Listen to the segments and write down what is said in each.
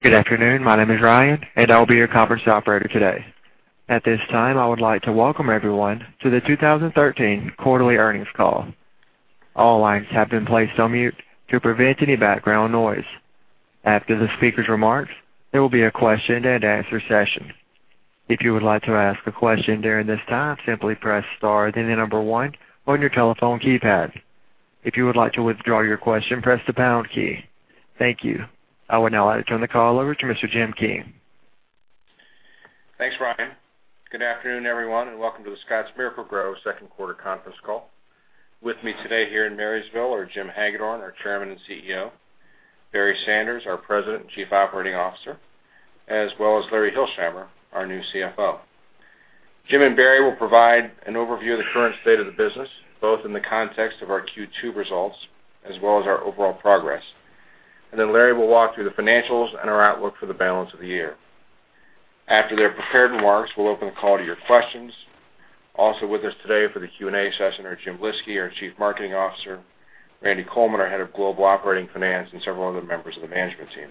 Good afternoon. My name is Ryan, and I will be your conference operator today. At this time, I would like to welcome everyone to the 2013 quarterly earnings call. All lines have been placed on mute to prevent any background noise. After the speaker's remarks, there will be a question and answer session. If you would like to ask a question during this time, simply press star, then the number 1 on your telephone keypad. If you would like to withdraw your question, press the pound key. Thank you. I would now like to turn the call over to Mr. Jim King. Thanks, Ryan. Good afternoon, everyone, and welcome to Scotts Miracle-Gro second quarter conference call. With me today here in Marysville are Jim Hagedorn, our Chairman and CEO, Barry Sanders, our President and Chief Operating Officer, as well as Larry Hilsheimer, our new CFO. Jim and Barry will provide an overview of the current state of the business, both in the context of our Q2 results as well as our overall progress. Larry will walk through the financials and our outlook for the balance of the year. After their prepared remarks, we'll open the call to your questions. Also with us today for the Q&A session are Jim Lyski, our Chief Marketing Officer, Randy Coleman, our Head of Global Operating Finance, and several other members of the management team.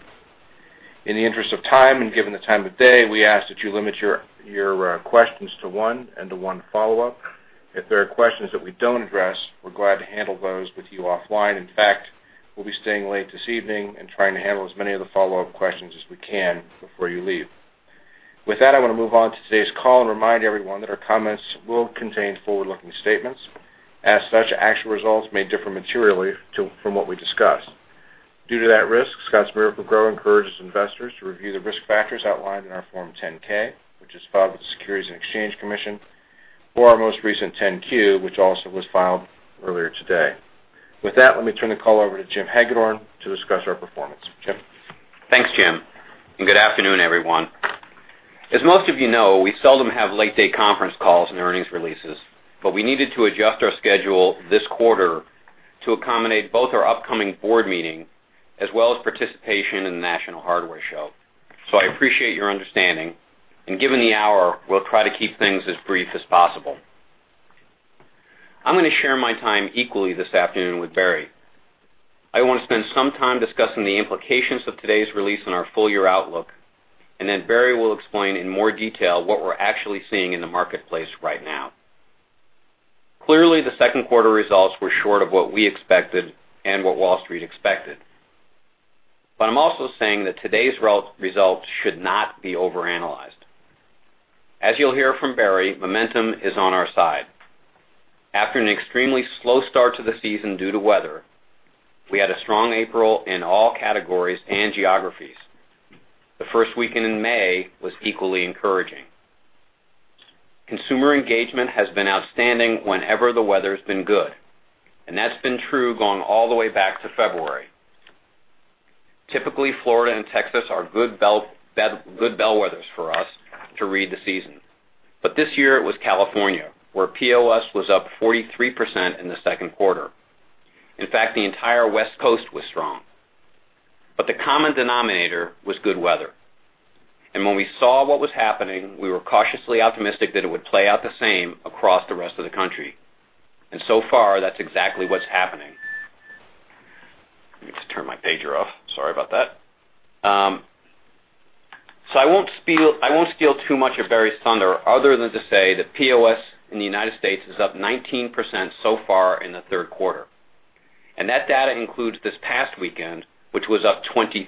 In the interest of time and given the time of day, we ask that you limit your questions to one and to one follow-up. If there are questions that we don't address, we're glad to handle those with you offline. In fact, we'll be staying late this evening and trying to handle as many of the follow-up questions as we can before you leave. With that, I want to move on to today's call and remind everyone that our comments will contain forward-looking statements. As such, actual results may differ materially from what we discuss. Due to that risk, Scotts Miracle-Gro encourages investors to review the risk factors outlined in our Form 10-K, which is filed with the Securities and Exchange Commission, or our most recent 10-Q, which also was filed earlier today. With that, let me turn the call over to Jim Hagedorn to discuss our performance. Jim? Thanks, Jim. Good afternoon, everyone. As most of you know, we seldom have late-day conference calls and earnings releases, we needed to adjust our schedule this quarter to accommodate both our upcoming board meeting as well as participation in the National Hardware Show. I appreciate your understanding, and given the hour, we'll try to keep things as brief as possible. I'm going to share my time equally this afternoon with Barry. I want to spend some time discussing the implications of today's release on our full-year outlook, Barry will explain in more detail what we're actually seeing in the marketplace right now. Clearly, the second quarter results were short of what we expected and what Wall Street expected. I'm also saying that today's results should not be overanalyzed. As you'll hear from Barry, momentum is on our side. After an extremely slow start to the season due to weather, we had a strong April in all categories and geographies. The first weekend in May was equally encouraging. Consumer engagement has been outstanding whenever the weather's been good, and that's been true going all the way back to February. Typically, Florida and Texas are good bellwethers for us to read the season. This year it was California, where POS was up 43% in the second quarter. In fact, the entire West Coast was strong. The common denominator was good weather. When we saw what was happening, we were cautiously optimistic that it would play out the same across the rest of the country. So far, that's exactly what's happening. I need to turn my pager off. Sorry about that. I won't steal too much of Barry's thunder other than to say that POS in the U.S. is up 19% so far in the third quarter. That data includes this past weekend, which was up 23%.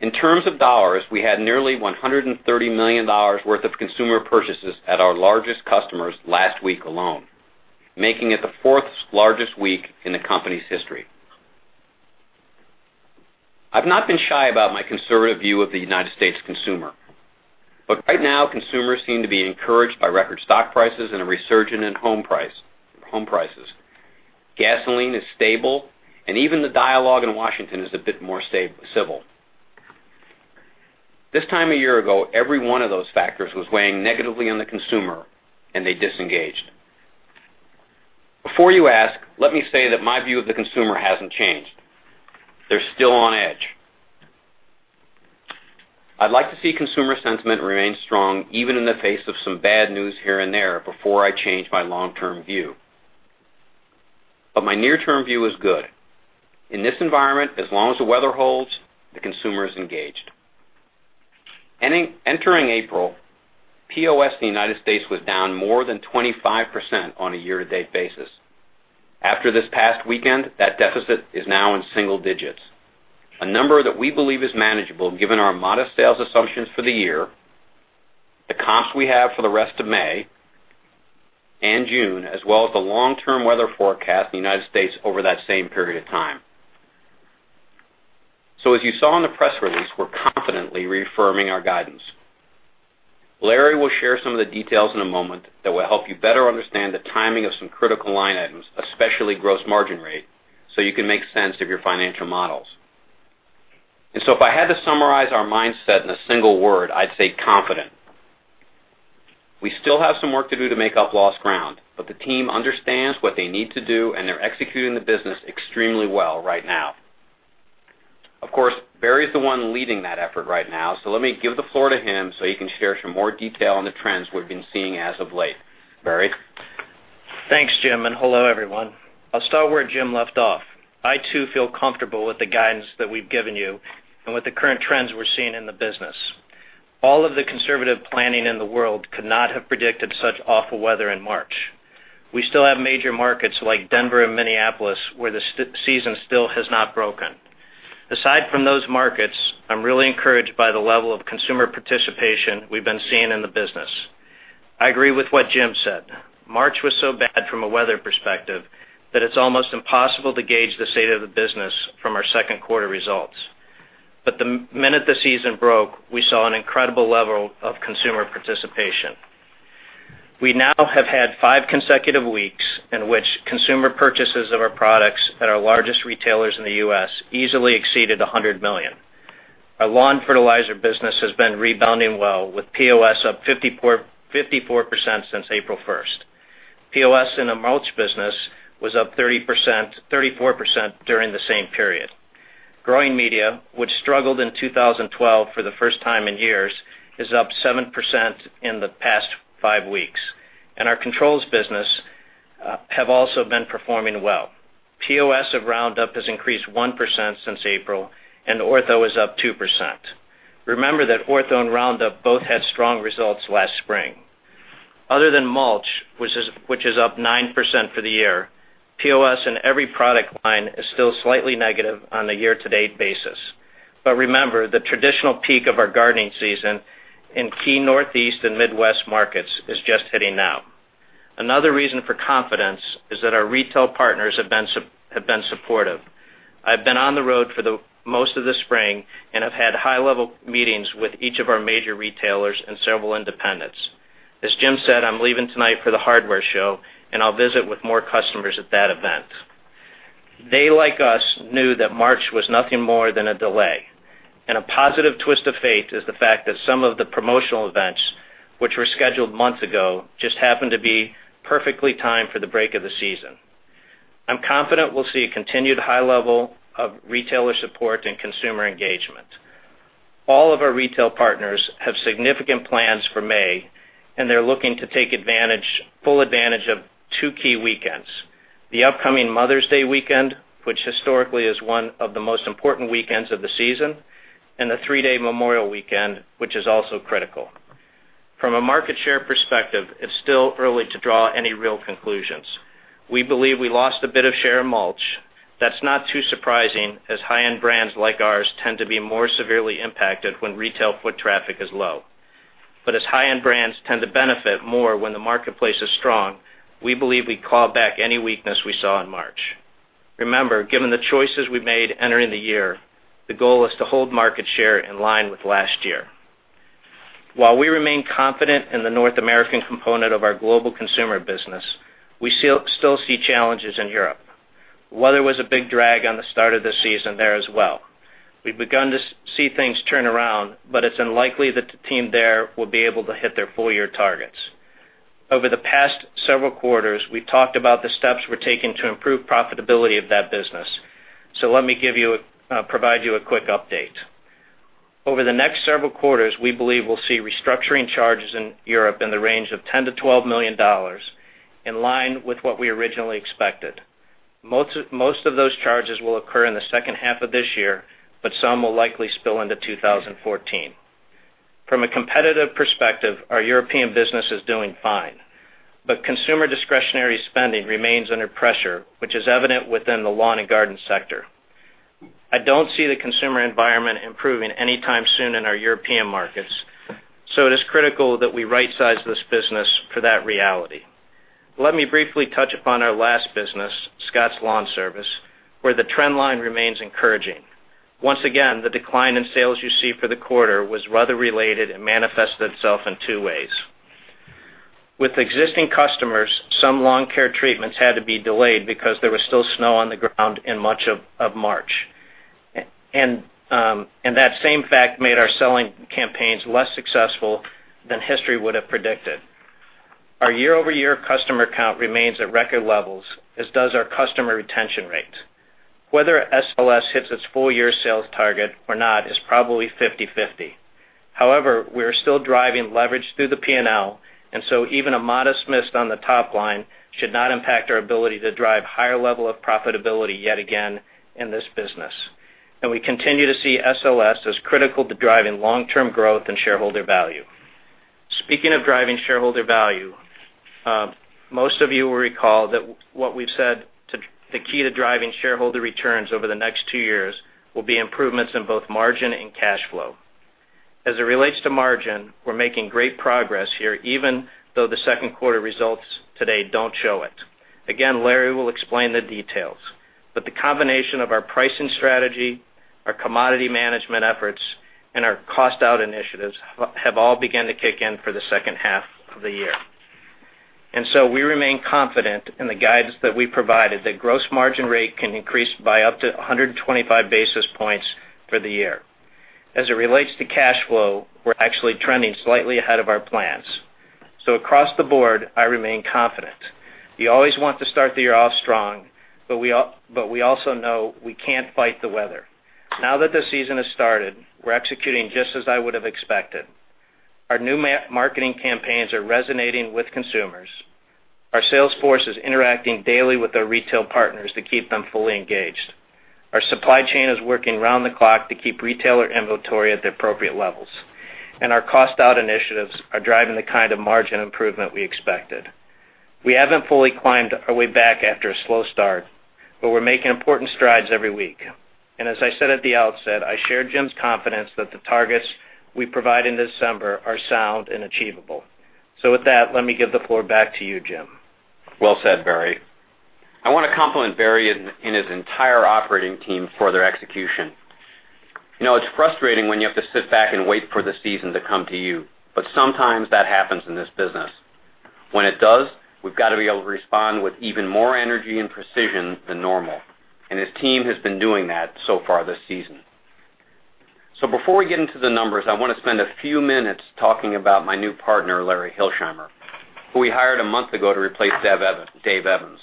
In terms of dollars, we had nearly $130 million worth of consumer purchases at our largest customers last week alone, making it the fourth largest week in the company's history. I've not been shy about my conservative view of the U.S. consumer. Right now, consumers seem to be encouraged by record stock prices and a resurgence in home prices. Gasoline is stable, and even the dialogue in Washington is a bit more civil. This time a year ago, every one of those factors was weighing negatively on the consumer, and they disengaged. Before you ask, let me say that my view of the consumer hasn't changed. They're still on edge. I'd like to see consumer sentiment remain strong, even in the face of some bad news here and there before I change my long-term view. My near-term view is good. In this environment, as long as the weather holds, the consumer is engaged. Entering April, POS in the U.S. was down more than 25% on a year-to-date basis. After this past weekend, that deficit is now in single digits, a number that we believe is manageable given our modest sales assumptions for the year, the comps we have for the rest of May and June, as well as the long-term weather forecast in the U.S. over that same period of time. As you saw in the press release, we're confidently reaffirming our guidance. Larry will share some of the details in a moment that will help you better understand the timing of some critical line items, especially gross margin rate, so you can make sense of your financial models. If I had to summarize our mindset in a single word, I'd say confident. We still have some work to do to make up lost ground, the team understands what they need to do, and they're executing the business extremely well right now. Of course, Barry is the one leading that effort right now, let me give the floor to him so he can share some more detail on the trends we've been seeing as of late. Barry? Thanks, Jim, hello everyone. I'll start where Jim left off. I, too, feel comfortable with the guidance that we've given you and with the current trends we're seeing in the business. All of the conservative planning in the world could not have predicted such awful weather in March. We still have major markets like Denver and Minneapolis, where the season still has not broken. Aside from those markets, I'm really encouraged by the level of consumer participation we've been seeing in the business. I agree with what Jim said. March was so bad from a weather perspective that it's almost impossible to gauge the state of the business from our second quarter results. The minute the season broke, we saw an incredible level of consumer participation. We now have had five consecutive weeks in which consumer purchases of our products at our largest retailers in the U.S. easily exceeded $100 million. Our lawn fertilizer business has been rebounding well, with POS up 54% since April 1st. POS in the mulch business was up 34% during the same period. Growing media, which struggled in 2012 for the first time in years, is up 7% in the past five weeks. Our controls business have also been performing well. POS of Roundup has increased 1% since April, and Ortho is up 2%. Remember that Ortho and Roundup both had strong results last spring. Other than mulch, which is up 9% for the year, POS in every product line is still slightly negative on a year-to-date basis. Remember, the traditional peak of our gardening season in key Northeast and Midwest markets is just hitting now. Another reason for confidence is that our retail partners have been supportive. I've been on the road for the most of the spring and have had high-level meetings with each of our major retailers and several independents. As Jim said, I'm leaving tonight for the Hardware Show, and I'll visit with more customers at that event. They, like us, knew that March was nothing more than a delay. A positive twist of fate is the fact that some of the promotional events which were scheduled months ago just happened to be perfectly timed for the break of the season. I'm confident we'll see a continued high level of retailer support and consumer engagement. All of our retail partners have significant plans for May, they're looking to take full advantage of two key weekends, the upcoming Mother's Day weekend, which historically is one of the most important weekends of the season, and the three-day Memorial Weekend, which is also critical. From a market share perspective, it's still early to draw any real conclusions. We believe we lost a bit of share in mulch. That's not too surprising, as high-end brands like ours tend to be more severely impacted when retail foot traffic is low. As high-end brands tend to benefit more when the marketplace is strong, we believe we claw back any weakness we saw in March. Remember, given the choices we made entering the year, the goal is to hold market share in line with last year. While we remain confident in the North American component of our global consumer business, we still see challenges in Europe. Weather was a big drag on the start of the season there as well. We've begun to see things turn around, but it's unlikely that the team there will be able to hit their full-year targets. Over the past several quarters, we've talked about the steps we're taking to improve profitability of that business. Let me provide you a quick update. Over the next several quarters, we believe we'll see restructuring charges in Europe in the range of $10 million-$12 million, in line with what we originally expected. Most of those charges will occur in the second half of this year, but some will likely spill into 2014. From a competitive perspective, our European business is doing fine, but consumer discretionary spending remains under pressure, which is evident within the lawn and garden sector. I don't see the consumer environment improving anytime soon in our European markets, it is critical that we rightsize this business for that reality. Let me briefly touch upon our last business, Scotts LawnService, where the trend line remains encouraging. Once again, the decline in sales you see for the quarter was weather-related and manifested itself in two ways. With existing customers, some lawn care treatments had to be delayed because there was still snow on the ground in much of March. That same fact made our selling campaigns less successful than history would have predicted. Our year-over-year customer count remains at record levels, as does our customer retention rate. Whether SLS hits its full-year sales target or not is probably 50/50. However, we are still driving leverage through the P&L, even a modest miss on the top line should not impact our ability to drive higher level of profitability yet again in this business. We continue to see SLS as critical to driving long-term growth and shareholder value. Speaking of driving shareholder value, most of you will recall that what we've said the key to driving shareholder returns over the next two years will be improvements in both margin and cash flow. As it relates to margin, we're making great progress here, even though the second quarter results today don't show it. Again, Larry will explain the details, but the combination of our pricing strategy, our commodity management efforts, and our cost-out initiatives have all began to kick in for the second half of the year. We remain confident in the guidance that we provided that gross margin rate can increase by up to 125 basis points for the year. As it relates to cash flow, we're actually trending slightly ahead of our plans. Across the board, I remain confident. You always want to start the year off strong, but we also know we can't fight the weather. Now that the season has started, we're executing just as I would have expected. Our new marketing campaigns are resonating with consumers. Our sales force is interacting daily with our retail partners to keep them fully engaged. Our supply chain is working around the clock to keep retailer inventory at the appropriate levels, our cost-out initiatives are driving the kind of margin improvement we expected. We haven't fully climbed our way back after a slow start, we're making important strides every week. As I said at the outset, I share Jim's confidence that the targets we provide in December are sound and achievable. With that, let me give the floor back to you, Jim. Well said, Barry. I want to compliment Barry and his entire operating team for their execution. It's frustrating when you have to sit back and wait for the season to come to you, sometimes that happens in this business. When it does, we've got to be able to respond with even more energy and precision than normal, his team has been doing that so far this season. Before we get into the numbers, I want to spend a few minutes talking about my new partner, Larry Hilsheimer, who we hired a month ago to replace Dave Evans.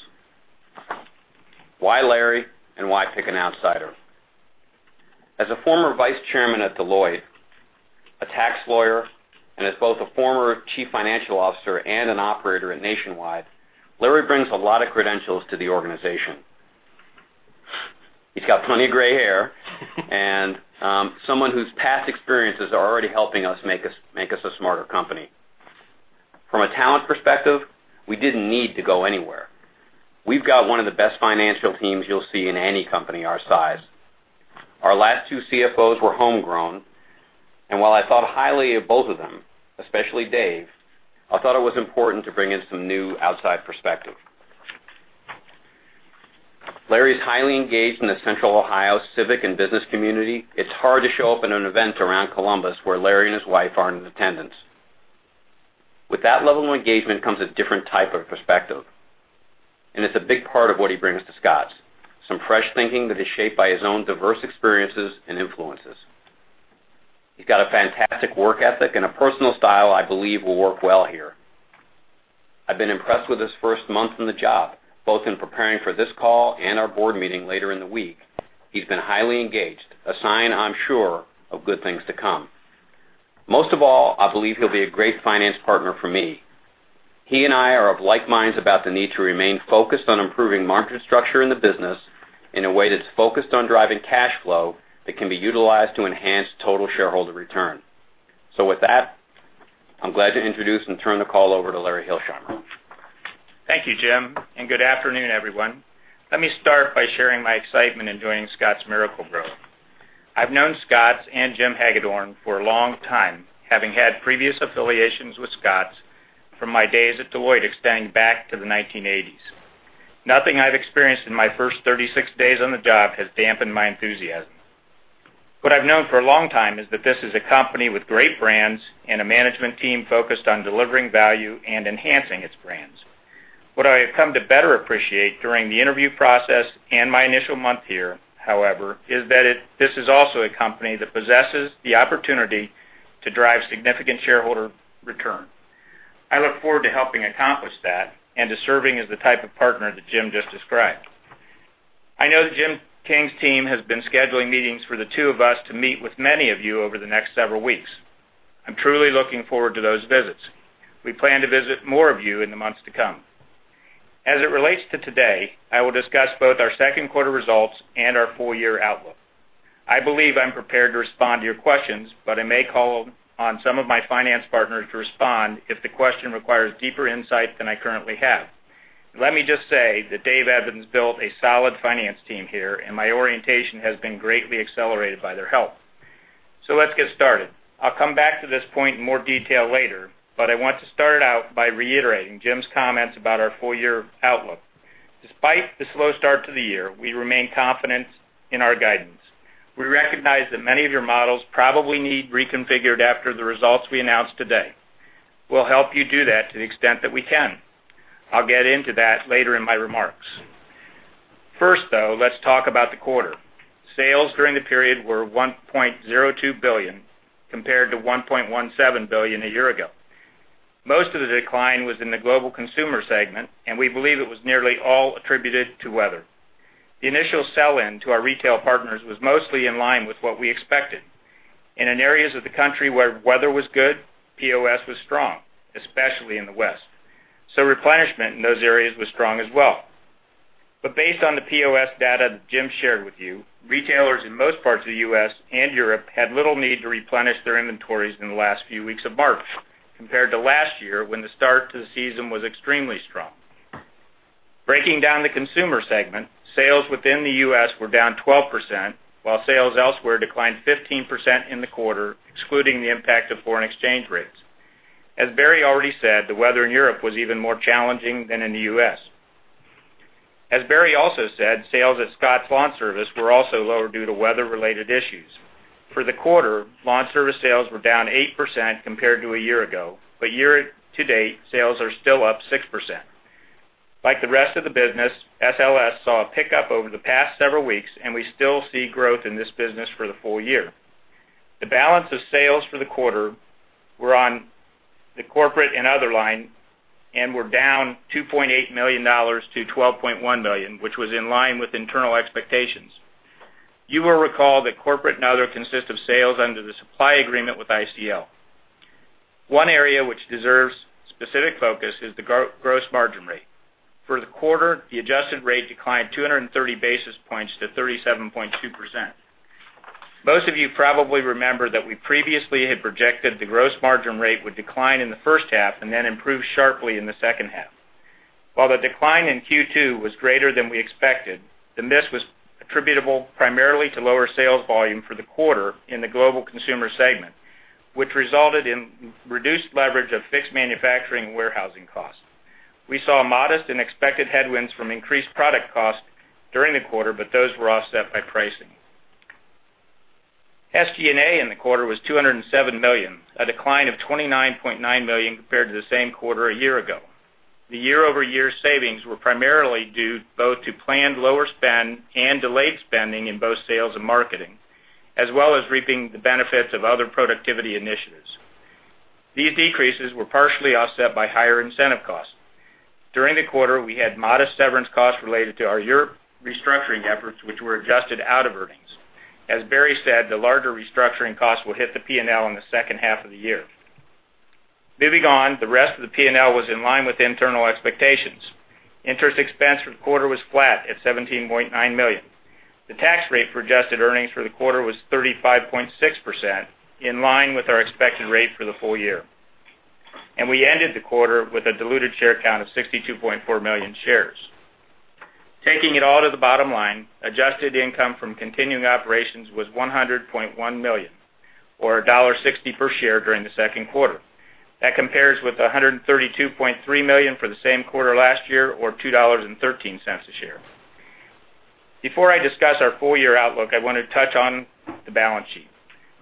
Why Larry, why pick an outsider? As a former vice chairman at Deloitte, a tax lawyer, as both a former chief financial officer and an operator at Nationwide, Larry brings a lot of credentials to the organization. He's got plenty of gray hair, someone whose past experiences are already helping us make us a smarter company. From a talent perspective, we didn't need to go anywhere. We've got one of the best financial teams you'll see in any company our size. Our last two CFOs were homegrown, while I thought highly of both of them, especially Dave, I thought it was important to bring in some new outside perspective. Larry is highly engaged in the Central Ohio civic and business community. It's hard to show up at an event around Columbus where Larry and his wife aren't in attendance. With that level of engagement comes a different type of perspective, it's a big part of what he brings to Scotts, some fresh thinking that is shaped by his own diverse experiences and influences. He's got a fantastic work ethic, a personal style I believe will work well here. I've been impressed with his first month on the job, both in preparing for this call, our board meeting later in the week. He's been highly engaged, a sign, I'm sure, of good things to come. Most of all, I believe he'll be a great finance partner for me. He and I are of like minds about the need to remain focused on improving margin structure in the business in a way that's focused on driving cash flow that can be utilized to enhance total shareholder return. With that, I'm glad to introduce and turn the call over to Larry Hilsheimer. Thank you, Jim, and good afternoon, everyone. Let me start by sharing my excitement in joining Scotts Miracle-Gro. I have known Scotts and Jim Hagedorn for a long time, having had previous affiliations with Scotts from my days at Deloitte extending back to the 1980s. Nothing I have experienced in my first 36 days on the job has dampened my enthusiasm. What I have known for a long time is that this is a company with great brands and a management team focused on delivering value and enhancing its brands. What I have come to better appreciate during the interview process and my initial month here, however, is that this is also a company that possesses the opportunity to drive significant shareholder return. I look forward to helping accomplish that and to serving as the type of partner that Jim just described. I know that Jim King's team has been scheduling meetings for the two of us to meet with many of you over the next several weeks. I am truly looking forward to those visits. We plan to visit more of you in the months to come. As it relates to today, I will discuss both our second quarter results and our full-year outlook. I believe I am prepared to respond to your questions, but I may call on some of my finance partners to respond if the question requires deeper insight than I currently have. Let me just say that Dave Evans built a solid finance team here, and my orientation has been greatly accelerated by their help. Let's get started. I will come back to this point in more detail later, I want to start out by reiterating Jim's comments about our full-year outlook. Despite the slow start to the year, we remain confident in our guidance. We recognize that many of your models probably need reconfiguring after the results we announce today. We will help you do that to the extent that we can. I will get into that later in my remarks. First, though, let's talk about the quarter. Sales during the period were $1.02 billion, compared to $1.17 billion a year ago. Most of the decline was in the global consumer segment, and we believe it was nearly all attributed to weather. The initial sell-in to our retail partners was mostly in line with what we expected. In areas of the country where weather was good, POS was strong, especially in the West. Replenishment in those areas was strong as well. Based on the POS data that Jim shared with you, retailers in most parts of the U.S. and Europe had little need to replenish their inventories in the last few weeks of March compared to last year, when the start to the season was extremely strong. Breaking down the consumer segment, sales within the U.S. were down 12%, while sales elsewhere declined 15% in the quarter, excluding the impact of foreign exchange rates. As Barry already said, the weather in Europe was even more challenging than in the U.S. As Barry also said, sales at Scotts LawnService were also lower due to weather-related issues. For the quarter, LawnService sales were down 8% compared to a year ago, but year to date, sales are still up 6%. Like the rest of the business, SLS saw a pickup over the past several weeks. We still see growth in this business for the full year. The balance of sales for the quarter were on the corporate and other line and were down $2.8 million to $12.1 million, which was in line with internal expectations. You will recall that corporate and other consist of sales under the supply agreement with ICL. One area which deserves specific focus is the gross margin rate. For the quarter, the adjusted rate declined 230 basis points to 37.2%. Most of you probably remember that we previously had projected the gross margin rate would decline in the first half and then improve sharply in the second half. While the decline in Q2 was greater than we expected, the miss was attributable primarily to lower sales volume for the quarter in the global consumer segment, which resulted in reduced leverage of fixed manufacturing and warehousing costs. We saw modest and expected headwinds from increased product costs during the quarter, but those were offset by pricing. SG&A in the quarter was $207 million, a decline of $29.9 million compared to the same quarter a year ago. The year-over-year savings were primarily due both to planned lower spend and delayed spending in both sales and marketing, as well as reaping the benefits of other productivity initiatives. These decreases were partially offset by higher incentive costs. During the quarter, we had modest severance costs related to our Europe restructuring efforts, which were adjusted out of earnings. As Barry said, the larger restructuring costs will hit the P&L in the second half of the year. Moving on, the rest of the P&L was in line with internal expectations. Interest expense for the quarter was flat at $17.9 million. The tax rate for adjusted earnings for the quarter was 35.6%, in line with our expected rate for the full year. We ended the quarter with a diluted share count of 62.4 million shares. Taking it all to the bottom line, adjusted income from continuing operations was $100.1 million, or $1.60 per share during the second quarter. That compares with $132.3 million for the same quarter last year, or $2.13 a share. Before I discuss our full-year outlook, I want to touch on the balance sheet.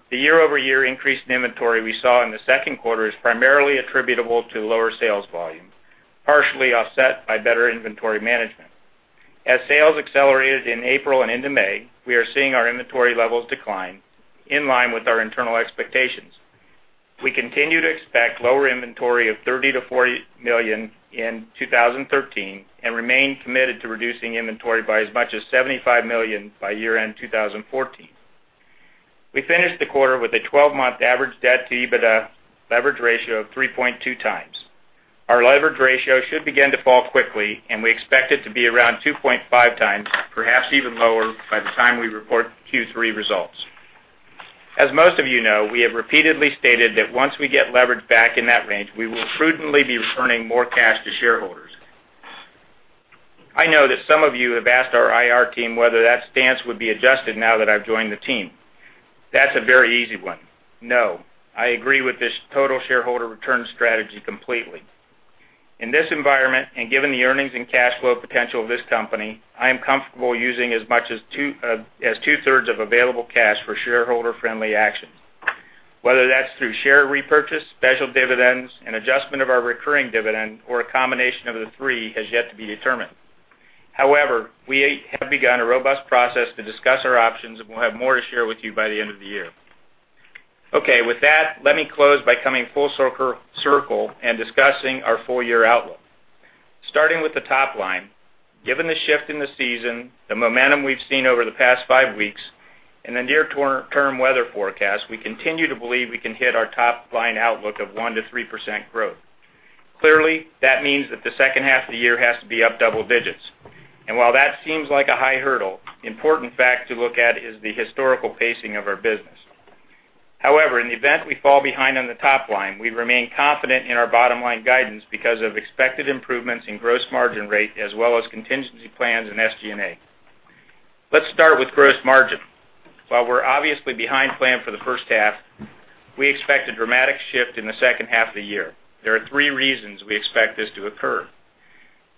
The year-over-year increase in inventory we saw in the second quarter is primarily attributable to lower sales volumes, partially offset by better inventory management. As sales accelerated in April and into May, we are seeing our inventory levels decline in line with our internal expectations. We continue to expect lower inventory of $30 million-$40 million in 2013 and remain committed to reducing inventory by as much as $75 million by year-end 2014. We finished the quarter with a 12-month average debt to EBITDA leverage ratio of 3.2 times. Our leverage ratio should begin to fall quickly. We expect it to be around 2.5 times, perhaps even lower, by the time we report Q3 results. As most of you know, we have repeatedly stated that once we get leverage back in that range, we will prudently be returning more cash to shareholders. I know that some of you have asked our IR team whether that stance would be adjusted now that I've joined the team. That's a very easy one. No, I agree with this total shareholder return strategy completely. In this environment and given the earnings and cash flow potential of this company, I am comfortable using as much as two-thirds of available cash for shareholder-friendly actions. Whether that's through share repurchase, special dividends, an adjustment of our recurring dividend, or a combination of the three has yet to be determined. However, we have begun a robust process to discuss our options, and we'll have more to share with you by the end of the year. Okay. With that, let me close by coming full circle and discussing our full-year outlook. Starting with the top line, given the shift in the season, the momentum we've seen over the past five weeks, and the near-term weather forecast, we continue to believe we can hit our top-line outlook of 1%-3% growth. Clearly, that means that the second half of the year has to be up double digits. While that seems like a high hurdle, important fact to look at is the historical pacing of our business. However, in the event we fall behind on the top line, we remain confident in our bottom-line guidance because of expected improvements in gross margin rate as well as contingency plans in SG&A. Let's start with gross margin. While we're obviously behind plan for the first half, we expect a dramatic shift in the second half of the year. There are three reasons we expect this to occur.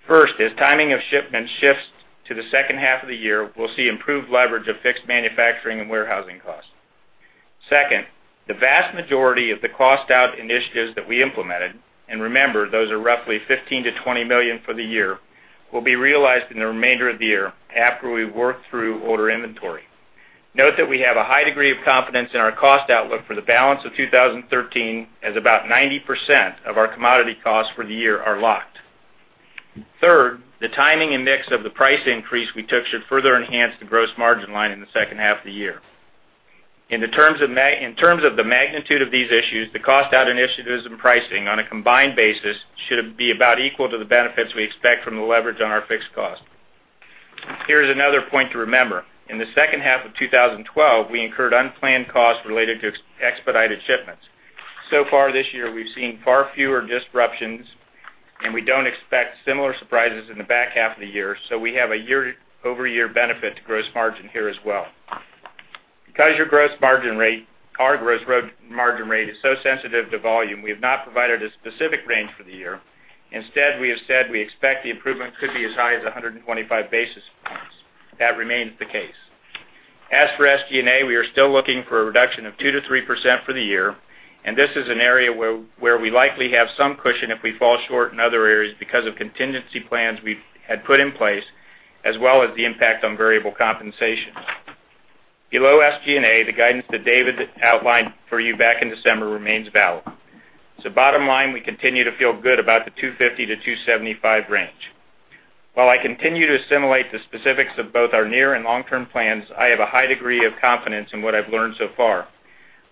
First, as timing of shipments shifts to the second half of the year, we'll see improved leverage of fixed manufacturing and warehousing costs. Second, the vast majority of the cost-out initiatives that we implemented, and remember, those are roughly $15 million-$20 million for the year, will be realized in the remainder of the year after we work through older inventory. Note that we have a high degree of confidence in our cost outlook for the balance of 2013, as about 90% of our commodity costs for the year are locked. Third, the timing and mix of the price increase we took should further enhance the gross margin line in the second half of the year. In terms of the magnitude of these issues, the cost-out initiatives and pricing on a combined basis should be about equal to the benefits we expect from the leverage on our fixed cost. Here's another point to remember. In the second half of 2012, we incurred unplanned costs related to expedited shipments. So far this year, we've seen far fewer disruptions, and we don't expect similar surprises in the back half of the year, so we have a year-over-year benefit to gross margin here as well. Because our gross margin rate is so sensitive to volume, we have not provided a specific range for the year. Instead, we have said we expect the improvement could be as high as 125 basis points. That remains the case. As for SG&A, we are still looking for a reduction of 2%-3% for the year, and this is an area where we likely have some cushion if we fall short in other areas because of contingency plans we had put in place, as well as the impact on variable compensations. Below SG&A, the guidance that David outlined for you back in December remains valid. Bottom line, we continue to feel good about the $250-$275 range. While I continue to assimilate the specifics of both our near and long-term plans, I have a high degree of confidence in what I have learned so far.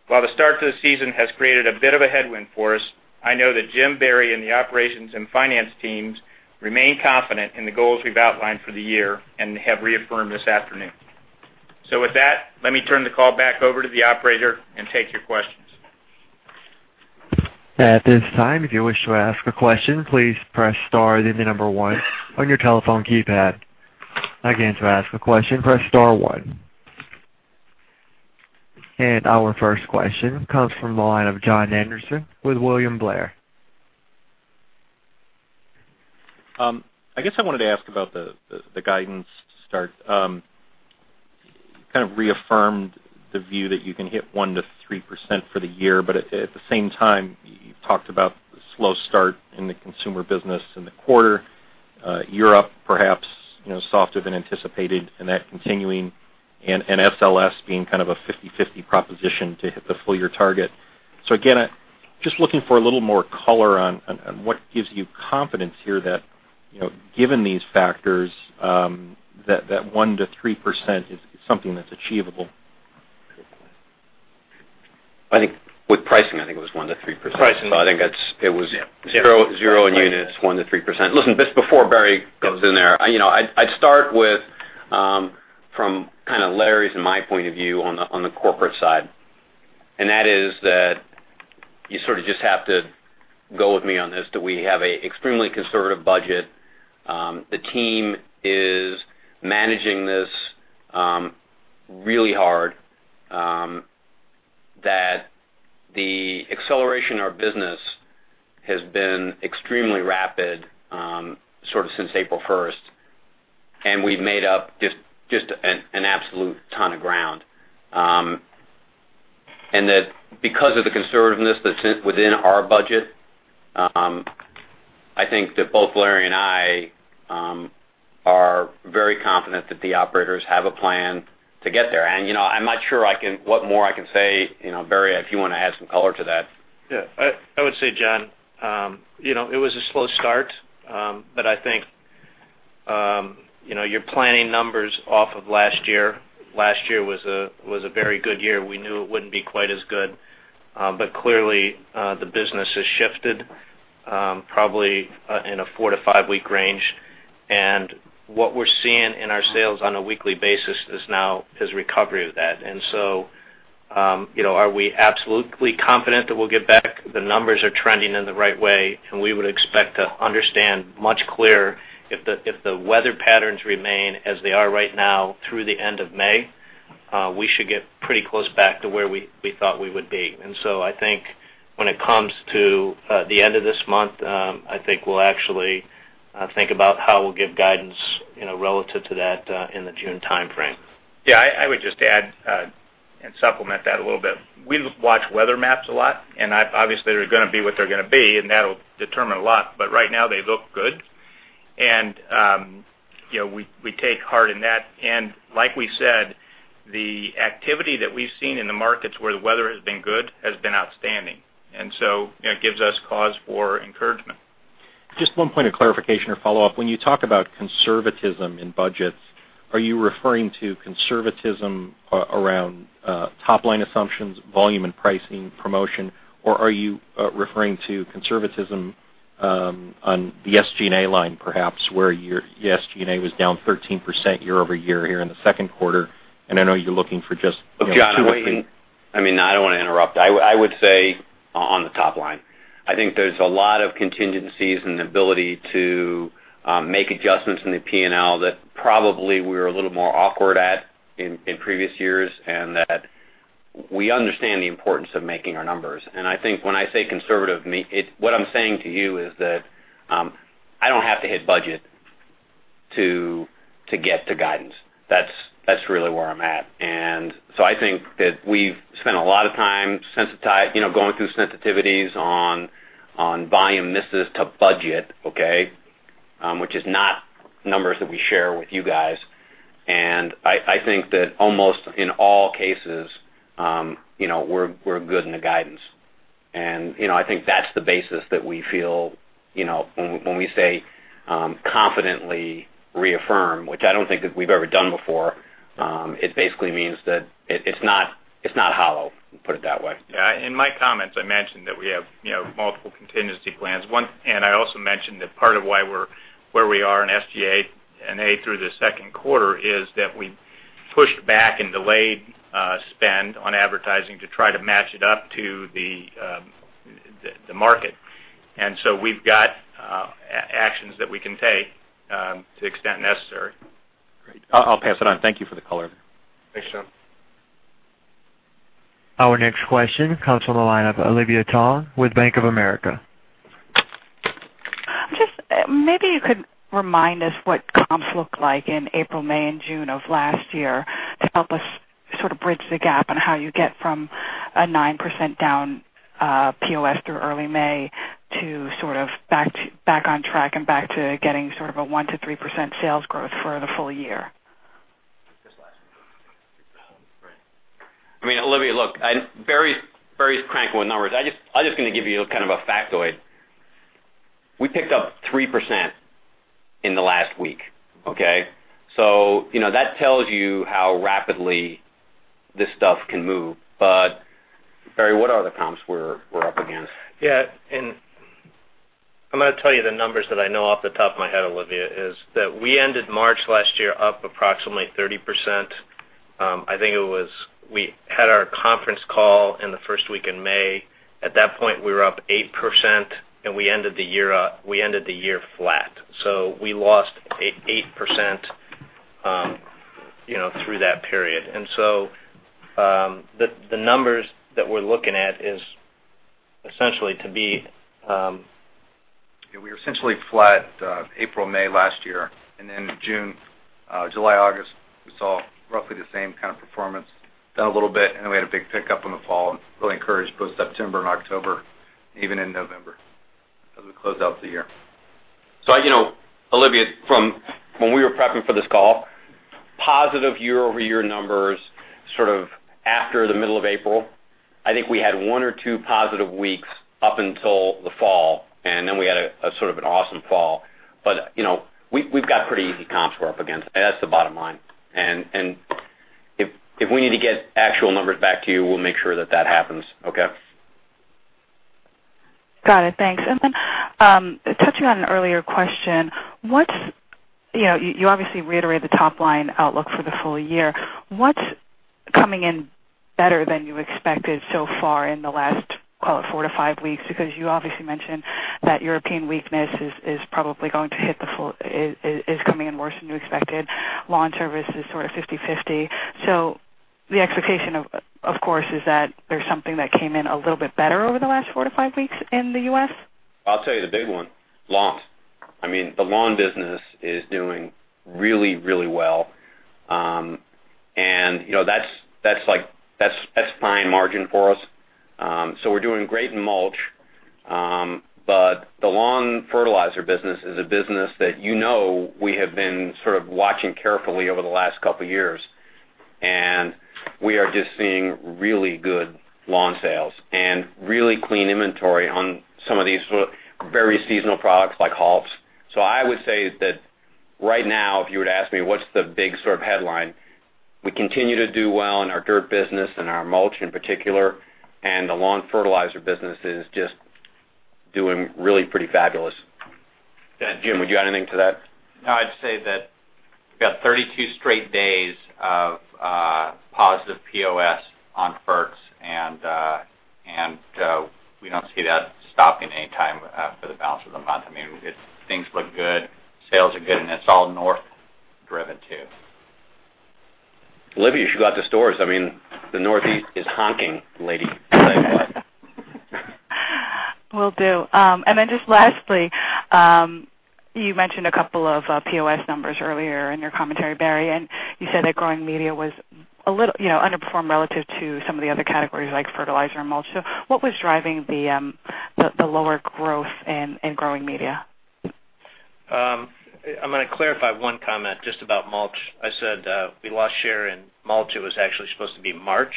While the start to the season has created a bit of a headwind for us, I know that Jim, Barry, and the operations and finance teams remain confident in the goals we have outlined for the year and have reaffirmed this afternoon. With that, let me turn the call back over to the operator and take your questions. At this time, if you wish to ask a question, please press star then 1 on your telephone keypad. Again, to ask a question, press star 1. Our first question comes from the line of Jon Andersen with William Blair. I guess I wanted to ask about the guidance to start. You kind of reaffirmed the view that you can hit 1%-3% for the year, but at the same time, you have talked about the slow start in the consumer business in the quarter, Europe perhaps softer than anticipated and that continuing, and SLS being kind of a 50/50 proposition to hit the full-year target. Again, just looking for a little more color on what gives you confidence here that, given these factors, that 1%-3% is something that is achievable. I think with pricing, I think it was 1%-3%. Pricing. I think it was. Yeah 0 in units, 1%-3%. Listen, just before Barry goes in there, I'd start with from kind of Larry's and my point of view on the corporate side. That is that, you sort of just have to go with me on this, that we have an extremely conservative budget. The team is managing this really hard, that the acceleration of our business has been extremely rapid since April 1st, and we've made up just an absolute ton of ground. That because of the conservativeness that's within our budget, I think that both Larry and I are very confident that the operators have a plan to get there. I'm not sure what more I can say. Barry, if you want to add some color to that. Yeah. I would say, Jon, it was a slow start, I think you're planning numbers off of last year. Last year was a very good year. We knew it wouldn't be quite as good. Clearly, the business has shifted probably in a 4- to 5-week range. What we're seeing in our sales on a weekly basis is now is recovery of that. Are we absolutely confident that we'll get back? The numbers are trending in the right way, we would expect to understand much clearer if the weather patterns remain as they are right now through the end of May, we should get pretty close back to where we thought we would be. I think when it comes to the end of this month, I think we'll actually think about how we'll give guidance relative to that in the June timeframe. Yeah, I would just add and supplement that a little bit. We watch weather maps a lot, obviously they're going to be what they're going to be, that'll determine a lot, right now they look good. We take heart in that. Like we said, the activity that we've seen in the markets where the weather has been good has been outstanding. It gives us cause for encouragement. Just one point of clarification or follow-up. When you talk about conservatism in budgets, are you referring to conservatism around top-line assumptions, volume and pricing promotion, or are you referring to conservatism on the SG&A line, perhaps, where your SG&A was down 13% year-over-year here in the second quarter, and I know you're looking for just- Look, Jon, I mean, I don't want to interrupt. I would say on the top line. I think there's a lot of contingencies and ability to make adjustments in the P&L that probably we were a little more awkward at in previous years, and that we understand the importance of making our numbers. I think when I say conservative, what I'm saying to you is that I don't have to hit budget to get to guidance. That's really where I'm at. I think that we've spent a lot of time going through sensitivities on volume misses to budget, okay? Which is not numbers that we share with you guys. I think that almost in all cases, we're good in the guidance. I think that's the basis that we feel when we say confidently reaffirm, which I don't think that we've ever done before, it basically means that it's not hollow, put it that way. Yeah. In my comments, I mentioned that we have multiple contingency plans. I also mentioned that part of why we're where we are in SG&A and A through the second quarter is that we pushed back and delayed spend on advertising to try to match it up to the market. We've got actions that we can take to the extent necessary. Great. I'll pass it on. Thank you for the color. Thanks, Jon. Our next question comes from the line of Olivia Tong with Bank of America. Just maybe you could remind us what comps looked like in April, May, and June of last year to help us sort of bridge the gap on how you get from a 9% down POS through early May to sort of back on track and back to getting sort of a 1%-3% sales growth for the full year. Olivia, look, Barry's crank with numbers. I'm just going to give you kind of a factoid. We picked up 3% in the last week, okay? That tells you how rapidly this stuff can move. Barry, what are the comps we're up against? Yeah. I'm going to tell you the numbers that I know off the top of my head, Olivia, is that we ended March last year up approximately 30%. I think it was, we had our conference call in the first week in May. At that point, we were up 8%, and we ended the year flat. We lost 8% through that period. The numbers that we're looking at is essentially. Yeah, we were essentially flat April, May last year, and then June, July, August, we saw roughly the same kind of performance, down a little bit, and then we had a big pickup in the fall, and really encouraged both September and October, even in November, as we close out the year. Olivia, from when we were prepping for this call, positive year-over-year numbers sort of after the middle of April. I think we had one or two positive weeks up until the fall, and then we had a sort of an awesome fall. We've got pretty easy comps we're up against, that's the bottom line. If we need to get actual numbers back to you, we'll make sure that that happens, okay? Got it. Thanks. Touching on an earlier question, you obviously reiterated the top-line outlook for the full year. What's coming in better than you expected so far in the last, call it, four to five weeks? Because you obviously mentioned that European weakness is coming in worse than you expected. Lawn service is sort of 50/50. The expectation, of course, is that there's something that came in a little bit better over the last four to five weeks in the U.S.? I'll tell you the big one, lawns. The lawn business is doing really well. That's fine margin for us. We're doing great in mulch. The lawn fertilizer business is a business that you know we have been sort of watching carefully over the last couple of years. We are just seeing really good lawn sales and really clean inventory on some of these very seasonal products like Halts. I would say that right now, if you were to ask me what's the big sort of headline, we continue to do well in our dirt business and our mulch in particular, and the lawn fertilizer business is just doing really pretty fabulous. Jim, would you add anything to that? No, I'd say that we've got 32 straight days of positive POS on ferts. We don't see that stopping anytime for the balance of the month. Things look good. Sales are good. It's all north driven too. Olivia, you should go out to stores. The Northeast is honking, lady. Will do. Just lastly, you mentioned a couple of POS numbers earlier in your commentary, Barry, and you said that growing media underperformed relative to some of the other categories like fertilizer and mulch. What was driving the lower growth in growing media? I'm going to clarify one comment just about mulch. I said we lost share in mulch. It was actually supposed to be March.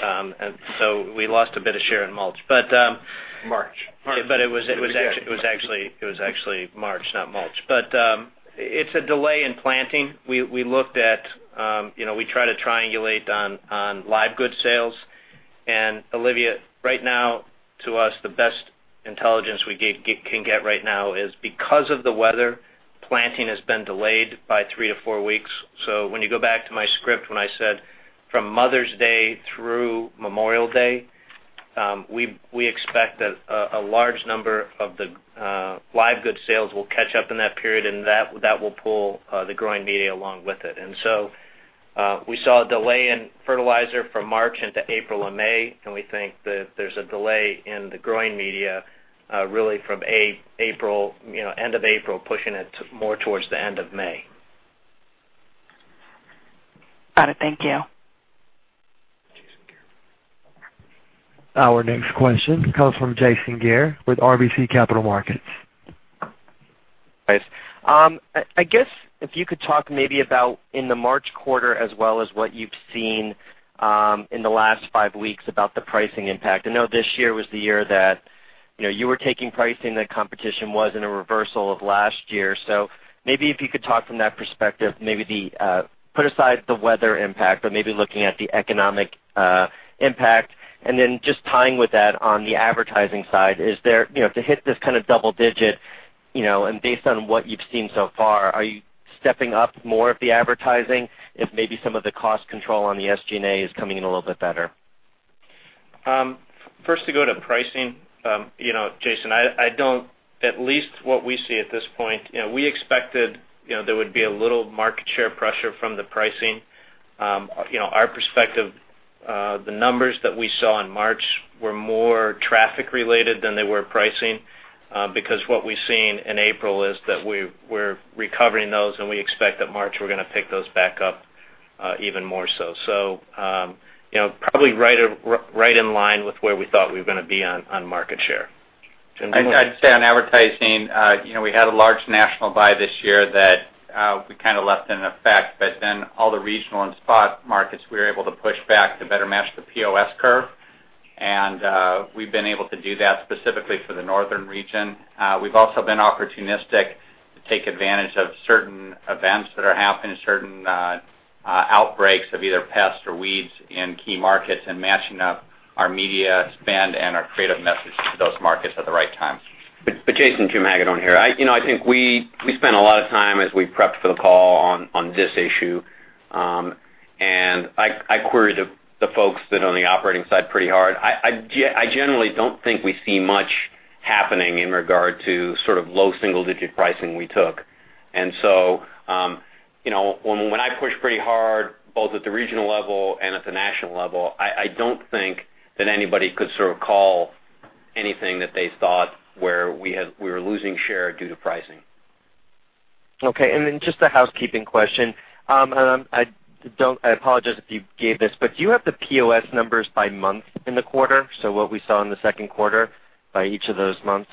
We lost a bit of share in mulch. March. It was actually March, not mulch. It's a delay in planting. We try to triangulate on live goods sales. Olivia, right now, to us, the best intelligence we can get right now is because of the weather, planting has been delayed by three to four weeks. When you go back to my script, when I said from Mother's Day through Memorial Day, we expect that a large number of the live goods sales will catch up in that period and that will pull the growing media along with it. We saw a delay in fertilizer from March into April and May, and we think that there's a delay in the growing media really from end of April, pushing it more towards the end of May. Got it. Thank you. Jason Gere. Our next question comes from Jason Gere with RBC Capital Markets. Thanks. I guess if you could talk maybe about in the March quarter as well as what you've seen in the last five weeks about the pricing impact. I know this year was the year that you were taking pricing, that competition was in a reversal of last year. Maybe if you could talk from that perspective, maybe put aside the weather impact, but maybe looking at the economic impact, and then just tying with that on the advertising side, to hit this kind of double digit, and based on what you've seen so far, are you stepping up more of the advertising if maybe some of the cost control on the SG&A is coming in a little bit better? First, to go to pricing, Jason, at least what we see at this point, we expected there would be a little market share pressure from the pricing. Our perspective, the numbers that we saw in March were more traffic related than they were pricing, because what we've seen in April is that we're recovering those, and we expect that March we're going to pick those back up even more so. Probably right in line with where we thought we were going to be on market share. I'd say on advertising, we had a large national buy this year that we kind of left in effect, all the regional and spot markets, we were able to push back to better match the POS curve. We've been able to do that specifically for the northern region. We've also been opportunistic to take advantage of certain events that are happening, certain outbreaks of either pests or weeds in key markets, and matching up our media spend and our creative message to those markets at the right time. Jason, Jim Hagedorn here. I think we spent a lot of time as we prepped for the call on this issue. I queried the folks that are on the operating side pretty hard. I generally don't think we see much happening in regard to sort of low single-digit pricing we took. When I push pretty hard, both at the regional level and at the national level, I don't think that anybody could sort of call anything that they thought where we were losing share due to pricing. Okay. Just a housekeeping question. I apologize if you gave this, do you have the POS numbers by month in the quarter? What we saw in the second quarter by each of those months?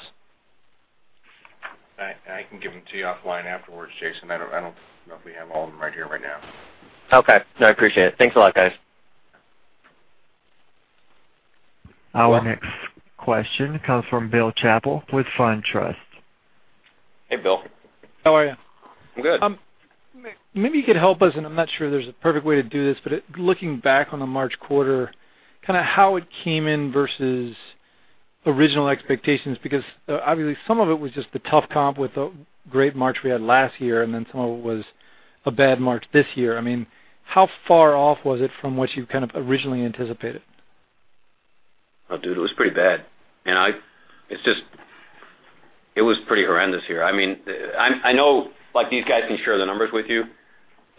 I can give them to you offline afterwards, Jason. I don't know if we have all of them right here, right now. Okay. No, I appreciate it. Thanks a lot, guys. Our next question comes from Bill Chappell with SunTrust. Hey, Bill. How are you? I'm good. Maybe you could help us. I'm not sure there's a perfect way to do this, looking back on the March quarter, kind of how it came in versus original expectations, because obviously, some of it was just the tough comp with the great March we had last year. Some of it was a bad March this year. How far off was it from what you kind of originally anticipated? Dude, it was pretty bad. It was pretty horrendous here. I know these guys can share the numbers with you.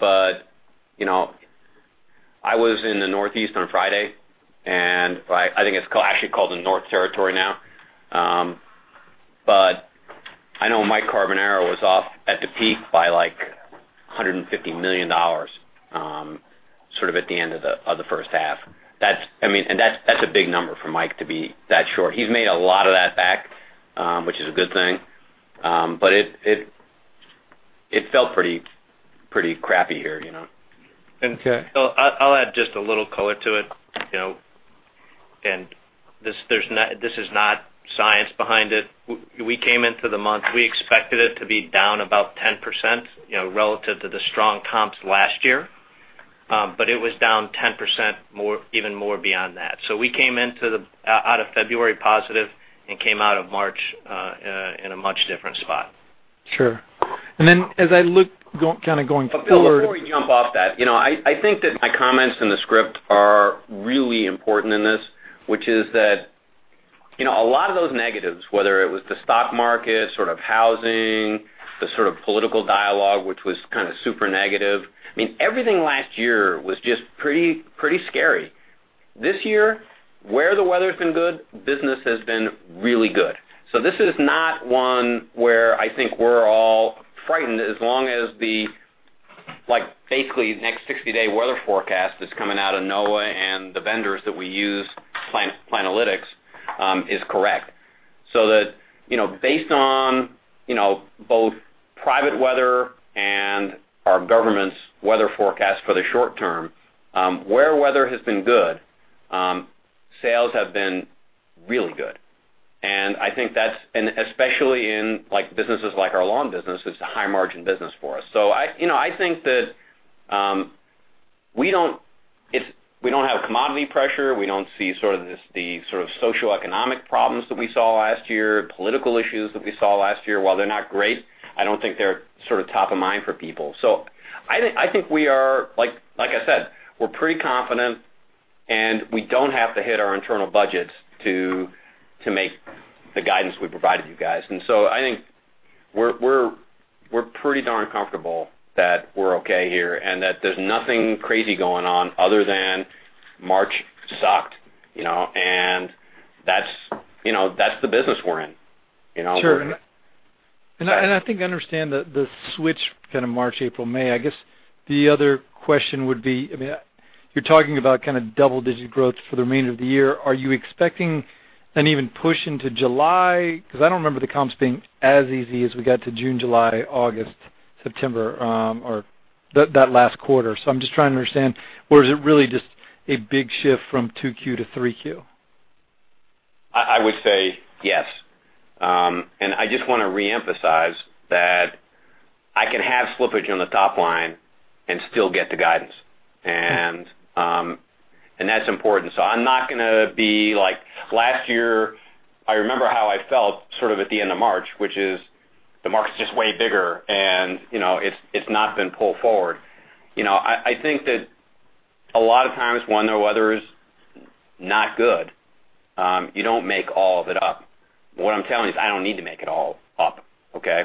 I was in the Northeast on Friday, and I think it's actually called the North Territory now. I know Mike Carbonara was off at the peak by like $150 million sort of at the end of the first half. That's a big number for Mike to be that short. He's made a lot of that back, which is a good thing. It felt pretty crappy here. Okay. I'll add just a little color to it. This is not science behind it. We came into the month, we expected it to be down about 10% relative to the strong comps last year. It was down 10% even more beyond that. We came out of February positive and came out of March in a much different spot. Sure. Then as I look kind of going forward. Bill, before we jump off that, I think that my comments in the script are really important in this, which is that a lot of those negatives, whether it was the stock market, sort of housing, the sort of political dialogue, which was kind of super negative. Everything last year was just pretty scary. This year, where the weather's been good, business has been really good. This is not one where I think we're all frightened as long as the basically next 60-day weather forecast that's coming out of NOAA and the vendors that we use, Planalytics, is correct. That based on both private weather and our government's weather forecast for the short term, where weather has been good, sales have been really good. Especially in businesses like our lawn business, it's a high-margin business for us. I think that we don't have commodity pressure. We don't see the sort of socioeconomic problems that we saw last year, political issues that we saw last year. While they're not great, I don't think they're sort of top of mind for people. I think we are, like I said, we're pretty confident, we don't have to hit our internal budgets to make the guidance we provided you guys. I think we're pretty darn comfortable that we're okay here, that there's nothing crazy going on other than March sucked, that's the business we're in. Sure. I think I understand the switch kind of March, April, May. I guess the other question would be, you're talking about kind of double-digit growth for the remainder of the year. Are you expecting an even push into July? I don't remember the comps being as easy as we got to June, July, August, September, or that last quarter. I'm just trying to understand, or is it really just a big shift from two Q to three Q? I would say yes. I just want to reemphasize that I can have slippage on the top line and still get the guidance. That's important. I'm not going to be like last year, I remember how I felt sort of at the end of March, which is the market's just way bigger and it's not been pulled forward. I think that a lot of times when the weather is not good, you don't make all of it up. What I'm telling you is I don't need to make it all up, okay?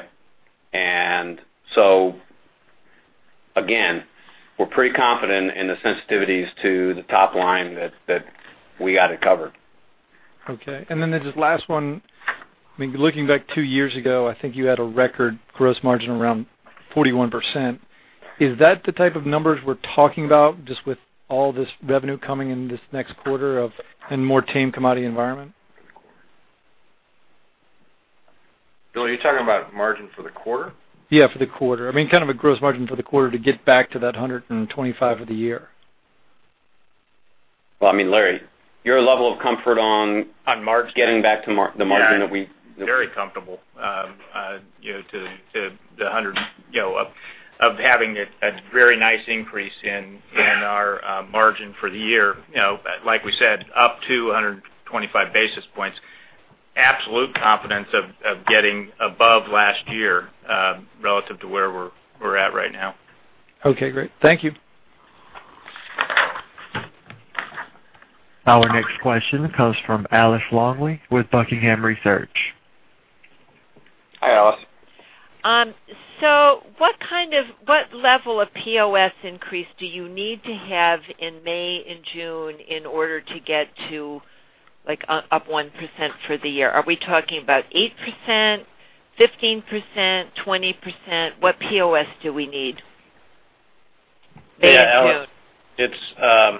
Again, we're pretty confident in the sensitivities to the top line that we got it covered. Okay. Just last one. Looking back two years ago, I think you had a record gross margin around 41%. Is that the type of numbers we're talking about just with all this revenue coming in this next quarter of, and more tame commodity environment? Bill, are you talking about margin for the quarter? Yeah, for the quarter. I mean, kind of a gross margin for the quarter to get back to that 125 of the year. Well, Larry, your level of comfort. On margin. getting back to the margin that. Yeah. Very comfortable of having a very nice increase in our margin for the year. Like we said, up to 125 basis points. Absolute confidence of getting above last year, relative to where we're at right now. Okay, great. Thank you. Our next question comes from Alice Longley with Buckingham Research. Hi, Alice. What level of POS increase do you need to have in May and June in order to get to up 1% for the year? Are we talking about 8%, 15%, 20%? What POS do we need? May and June. Yeah,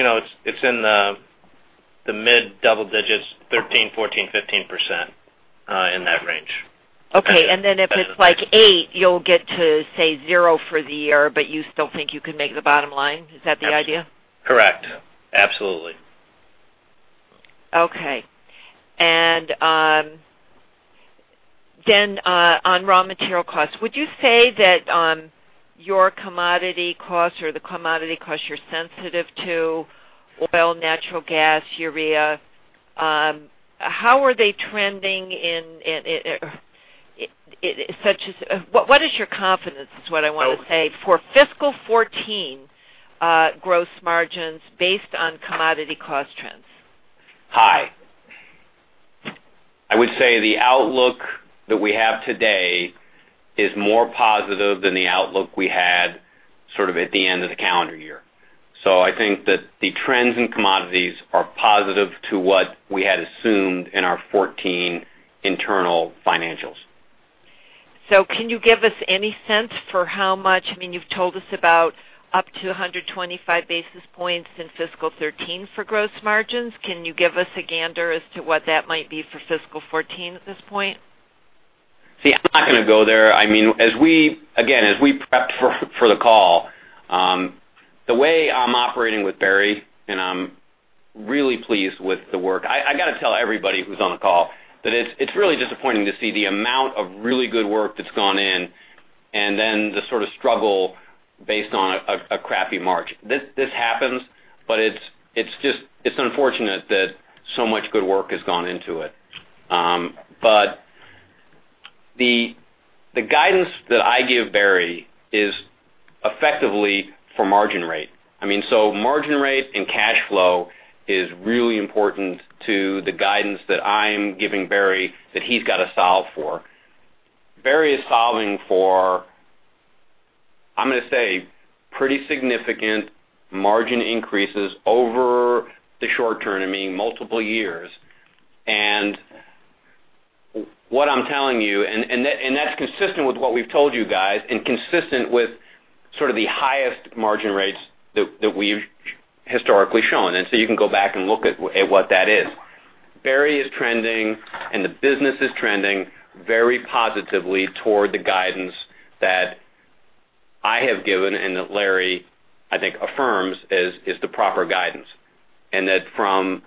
Alice, it's in the mid double digits, 13, 14, 15%, in that range. If it's like eight, you'll get to, say, zero for the year, but you still think you can make the bottom line. Is that the idea? Correct. Absolutely. Okay. On raw material costs, would you say that your commodity costs or the commodity costs you're sensitive to, oil, natural gas, urea, how are they trending? What is your confidence, is what I want to say, for fiscal 2014 gross margins based on commodity cost trends? High. I would say the outlook that we have today is more positive than the outlook we had sort of at the end of the calendar year. I think that the trends in commodities are positive to what we had assumed in our 2014 internal financials. Can you give us any sense for how much, I mean, you've told us about up to 125 basis points in fiscal 2013 for gross margins. Can you give us a gander as to what that might be for fiscal 2014 at this point? See, I'm not going to go there. Again, as we prepped for the call, the way I'm operating with Barry. I'm really pleased with the work. I got to tell everybody who's on the call that it's really disappointing to see the amount of really good work that's gone in, and then the sort of struggle based on a crappy March. This happens, but it's unfortunate that so much good work has gone into it. The guidance that I give Barry is effectively for margin rate. I mean, so margin rate and cash flow is really important to the guidance that I'm giving Barry that he's got to solve for. Barry is solving for, I'm going to say, pretty significant margin increases over the short term, I mean, multiple years. What I'm telling you, that's consistent with what we've told you guys and consistent with sort of the highest margin rates that we've historically shown. You can go back and look at what that is. Barry is trending, and the business is trending very positively toward the guidance that I have given and that Larry, I think, affirms is the proper guidance. From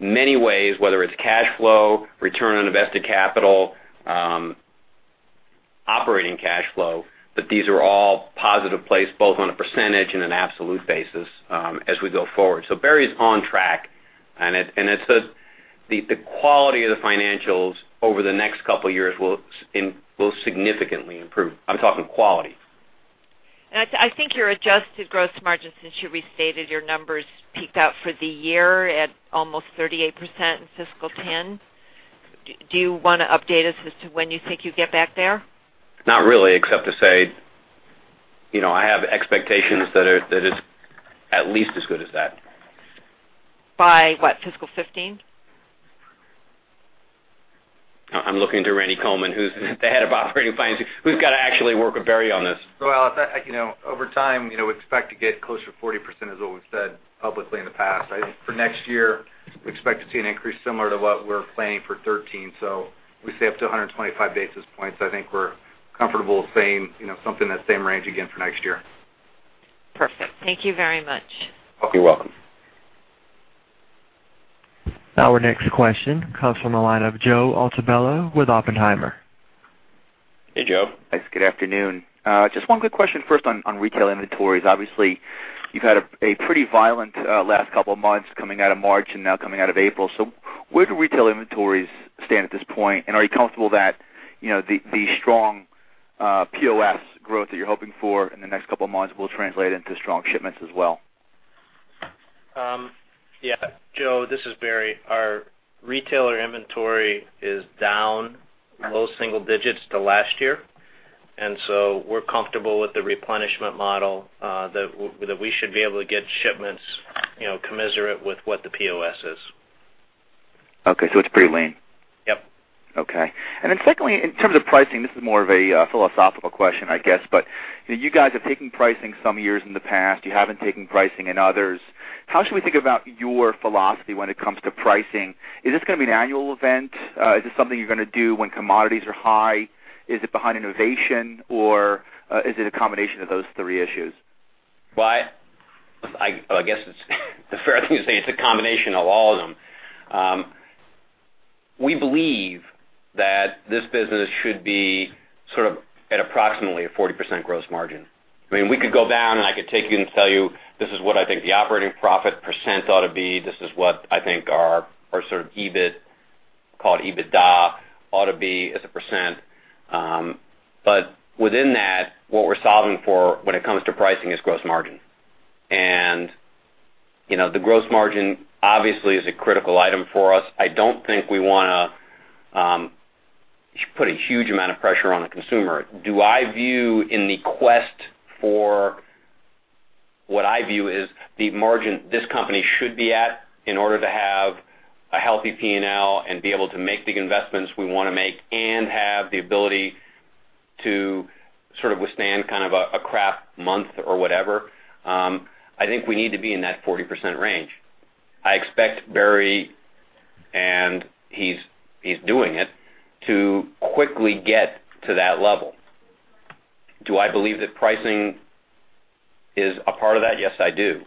many ways, whether it's cash flow, return on invested capital, operating cash flow, these are all positive plays, both on a percentage and an absolute basis, as we go forward. Barry's on track, and the quality of the financials over the next couple of years will significantly improve. I'm talking quality. I think your adjusted gross margin, since you restated your numbers, peaked out for the year at almost 38% in fiscal 2010. Do you want to update us as to when you think you'd get back there? Not really, except to say, I have expectations that it's at least as good as that. By what? Fiscal 2015? I'm looking to Randy Coleman, who's the head of operating financing, who's got to actually work with Barry on this. Well, over time, we expect to get closer to 40%, as what we've said publicly in the past. I think for next year, we expect to see an increase similar to what we're planning for 2013. We say up to 125 basis points. I think we're comfortable saying something in that same range again for next year. Perfect. Thank you very much. You're welcome. Our next question comes from the line of Joe Altobello with Oppenheimer. Hey, Joe. Thanks. Good afternoon. Just one quick question first on retail inventories. Obviously, you've had a pretty violent last couple of months coming out of March and now coming out of April. Where do retail inventories stand at this point, and are you comfortable that the strong POS growth that you're hoping for in the next couple of months will translate into strong shipments as well? Yeah. Joe, this is Barry. Our retailer inventory is down low single digits to last year, and so we're comfortable with the replenishment model that we should be able to get shipments commensurate with what the POS is It's pretty lean. Yep. Secondly, in terms of pricing, this is more of a philosophical question, I guess, but you guys have taken pricing some years in the past, you haven't taken pricing in others. How should we think about your philosophy when it comes to pricing? Is this going to be an annual event? Is this something you're going to do when commodities are high? Is it behind innovation, or is it a combination of those three issues? I guess it's the fair thing to say it's a combination of all of them. We believe that this business should be sort of at approximately a 40% gross margin. We could go down, and I could take you and tell you, this is what I think the operating profit % ought to be. This is what I think our sort of EBIT, call it EBITDA ought to be as a %. Within that, what we're solving for when it comes to pricing is gross margin. The gross margin obviously is a critical item for us. I don't think we want to put a huge amount of pressure on the consumer. Do I view in the quest for what I view is the margin this company should be at in order to have a healthy P&L and be able to make big investments we want to make and have the ability to sort of withstand kind of a crap month or whatever? I think we need to be in that 40% range. I expect Barry, and he's doing it, to quickly get to that level. Do I believe that pricing is a part of that? Yes, I do.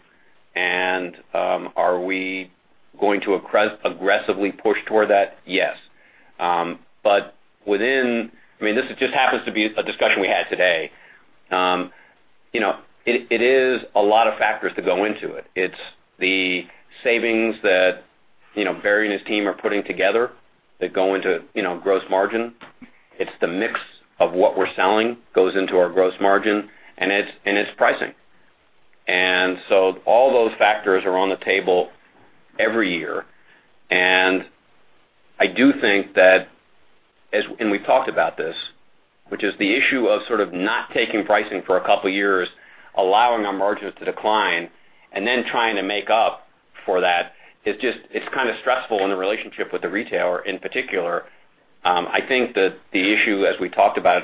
Are we going to aggressively push toward that? Yes. This just happens to be a discussion we had today. It is a lot of factors that go into it. It's the savings that Barry and his team are putting together that go into gross margin. It's the mix of what we're selling goes into our gross margin, and it's pricing. All those factors are on the table every year. I do think that, and we've talked about this, which is the issue of sort of not taking pricing for a couple of years, allowing our margins to decline, then trying to make up for that, it's kind of stressful in the relationship with the retailer in particular. I think that the issue, as we talked about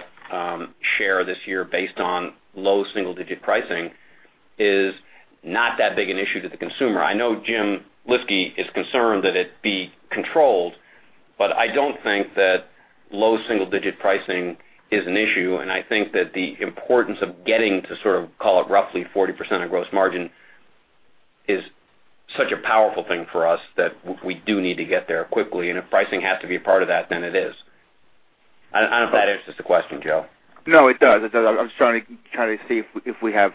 share this year based on low single-digit pricing, is not that big an issue to the consumer. I know Jim Lyski is concerned that it be controlled, but I don't think that low single-digit pricing is an issue, and I think that the importance of getting to sort of call it roughly 40% of gross margin is such a powerful thing for us that we do need to get there quickly. If pricing has to be a part of that, then it is. I don't know if that answers the question, Joe. No, it does. I'm just trying to see if we have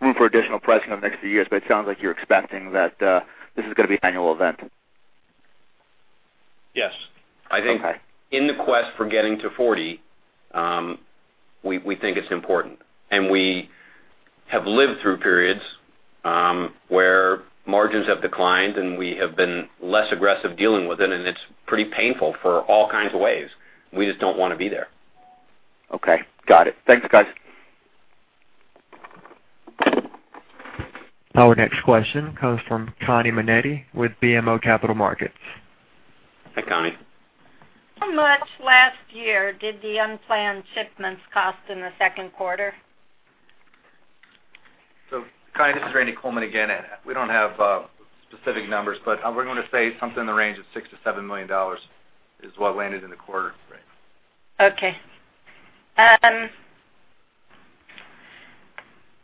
room for additional pricing over the next few years, it sounds like you're expecting that this is going to be an annual event. Yes. Okay. I think in the quest for getting to 40, we think it's important. We have lived through periods where margins have declined, and we have been less aggressive dealing with it, and it's pretty painful for all kinds of ways. We just don't want to be there. Okay, got it. Thanks, guys. Our next question comes from Connie Maneaty with BMO Capital Markets. Hi, Connie. How much last year did the unplanned shipments cost in the second quarter? Connie, this is Randy Coleman again. We don't have specific numbers, but we're going to say something in the range of $6 million to $7 million is what landed in the quarter.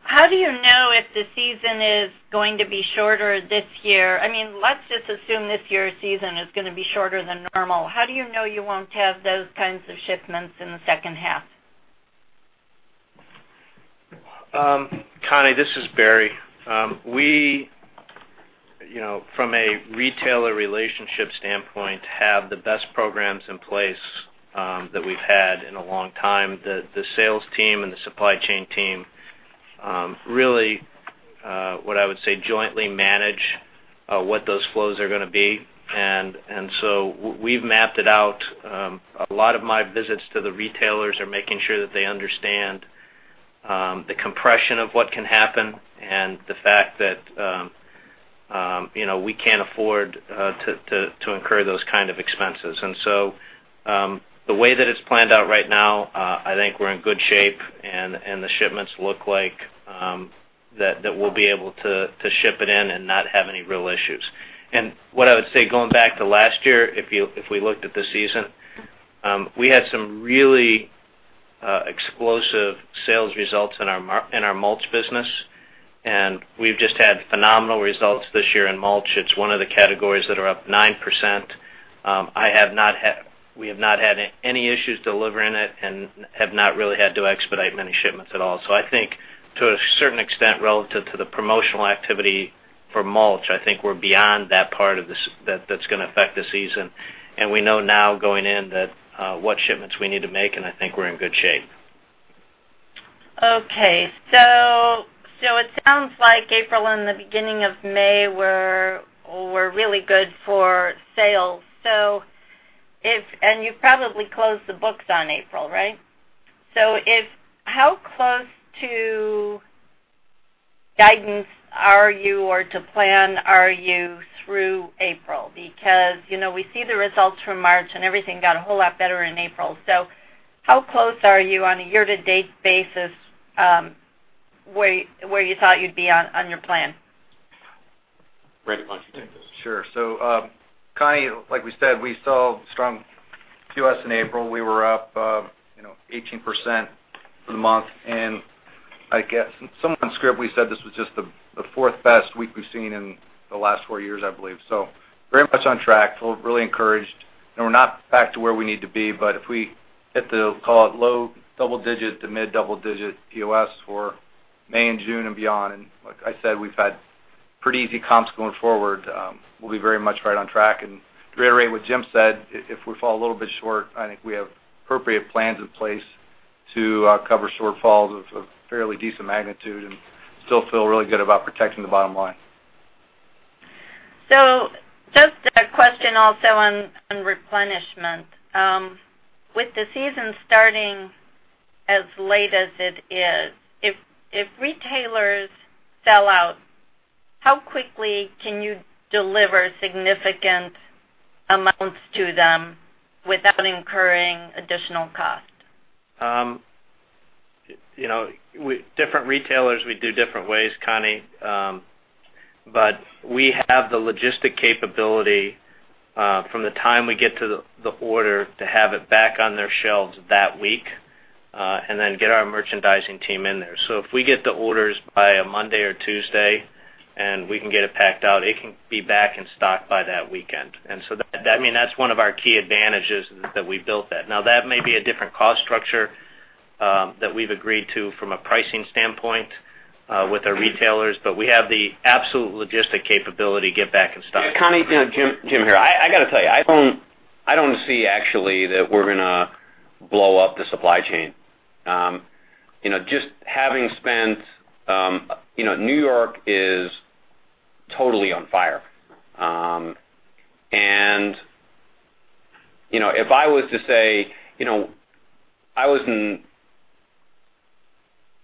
How do you know if the season is going to be shorter this year? Let's just assume this year's season is going to be shorter than normal. How do you know you won't have those kinds of shipments in the second half? Connie, this is Barry. We, from a retailer relationship standpoint, have the best programs in place that we've had in a long time. The sales team and the supply chain team really, what I would say, jointly manage what those flows are going to be. We've mapped it out. A lot of my visits to the retailers are making sure that they understand the compression of what can happen and the fact that we can't afford to incur those kind of expenses. The way that it's planned out right now, I think we're in good shape, and the shipments look like that we'll be able to ship it in and not have any real issues. What I would say, going back to last year, if we looked at the season, we had some really explosive sales results in our mulch business, and we've just had phenomenal results this year in mulch. It's one of the categories that are up 9%. We have not had any issues delivering it and have not really had to expedite many shipments at all. I think to a certain extent, relative to the promotional activity for mulch, I think we're beyond that part that's going to affect the season. We know now going in what shipments we need to make, and I think we're in good shape. Okay. It sounds like April and the beginning of May were really good for sales. You probably closed the books on April, right? Yes. How close to guidance are you or to plan are you through April? We see the results from March and everything got a whole lot better in April. How close are you on a year-to-date basis, where you thought you'd be on your plan? Randy, why don't you take this? Sure. Connie, like we said, we saw strong U.S. in April. We were up 18% for the month, and I guess somewhere in script we said this was just the fourth best week we've seen in the last four years, I believe. Very much on track. Feel really encouraged. We're not back to where we need to be, but if we hit the, call it, low double-digit to mid double-digit POS for May and June and beyond, like I said, we've had pretty easy comps going forward, we'll be very much right on track. To reiterate what Jim said, if we fall a little bit short, I think we have appropriate plans in place to cover shortfalls of fairly decent magnitude and still feel really good about protecting the bottom line. Just a question also on replenishment. With the season starting as late as it is, if retailers sell out, how quickly can you deliver significant amounts to them without incurring additional cost? With different retailers, we do different ways, Connie. We have the logistic capability, from the time we get the order to have it back on their shelves that week, and then get our merchandising team in there. If we get the orders by a Monday or Tuesday and we can get it packed out, it can be back in stock by that weekend. That's one of our key advantages, that we've built that. Now, that may be a different cost structure that we've agreed to from a pricing standpoint with our retailers, but we have the absolute logistic capability to get back in stock. Yeah, Connie, Jim here. I got to tell you, I don't see actually that we're going to blow up the supply chain. Just having spent N.Y. is totally on fire. If I was to say I was in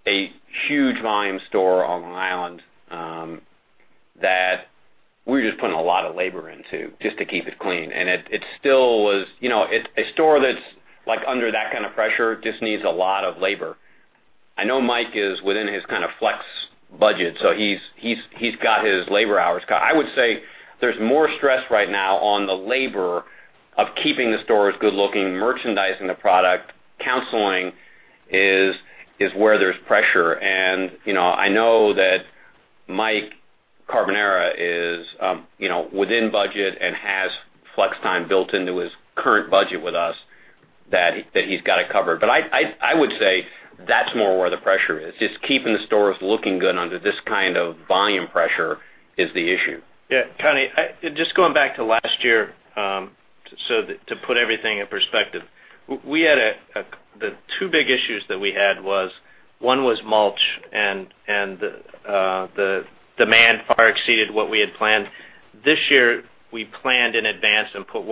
a huge volume store on Long Island, that we were just putting a lot of labor into just to keep it clean, and a store that's under that kind of pressure just needs a lot of labor. I know Mike is within his kind of flex budget, so he's got his labor hours. I would say there's more stress right now on the labor of keeping the stores good looking, merchandising the product. Counseling is where there's pressure. I know that Mike Carbonara is within budget and has flex time built into his current budget with us, that he's got it covered. I would say that's more where the pressure is, just keeping the stores looking good under this kind of volume pressure is the issue. Connie, to put everything in perspective. The two big issues that we had was, one was mulch, and the demand far exceeded what we had planned. This year, we planned in advance and put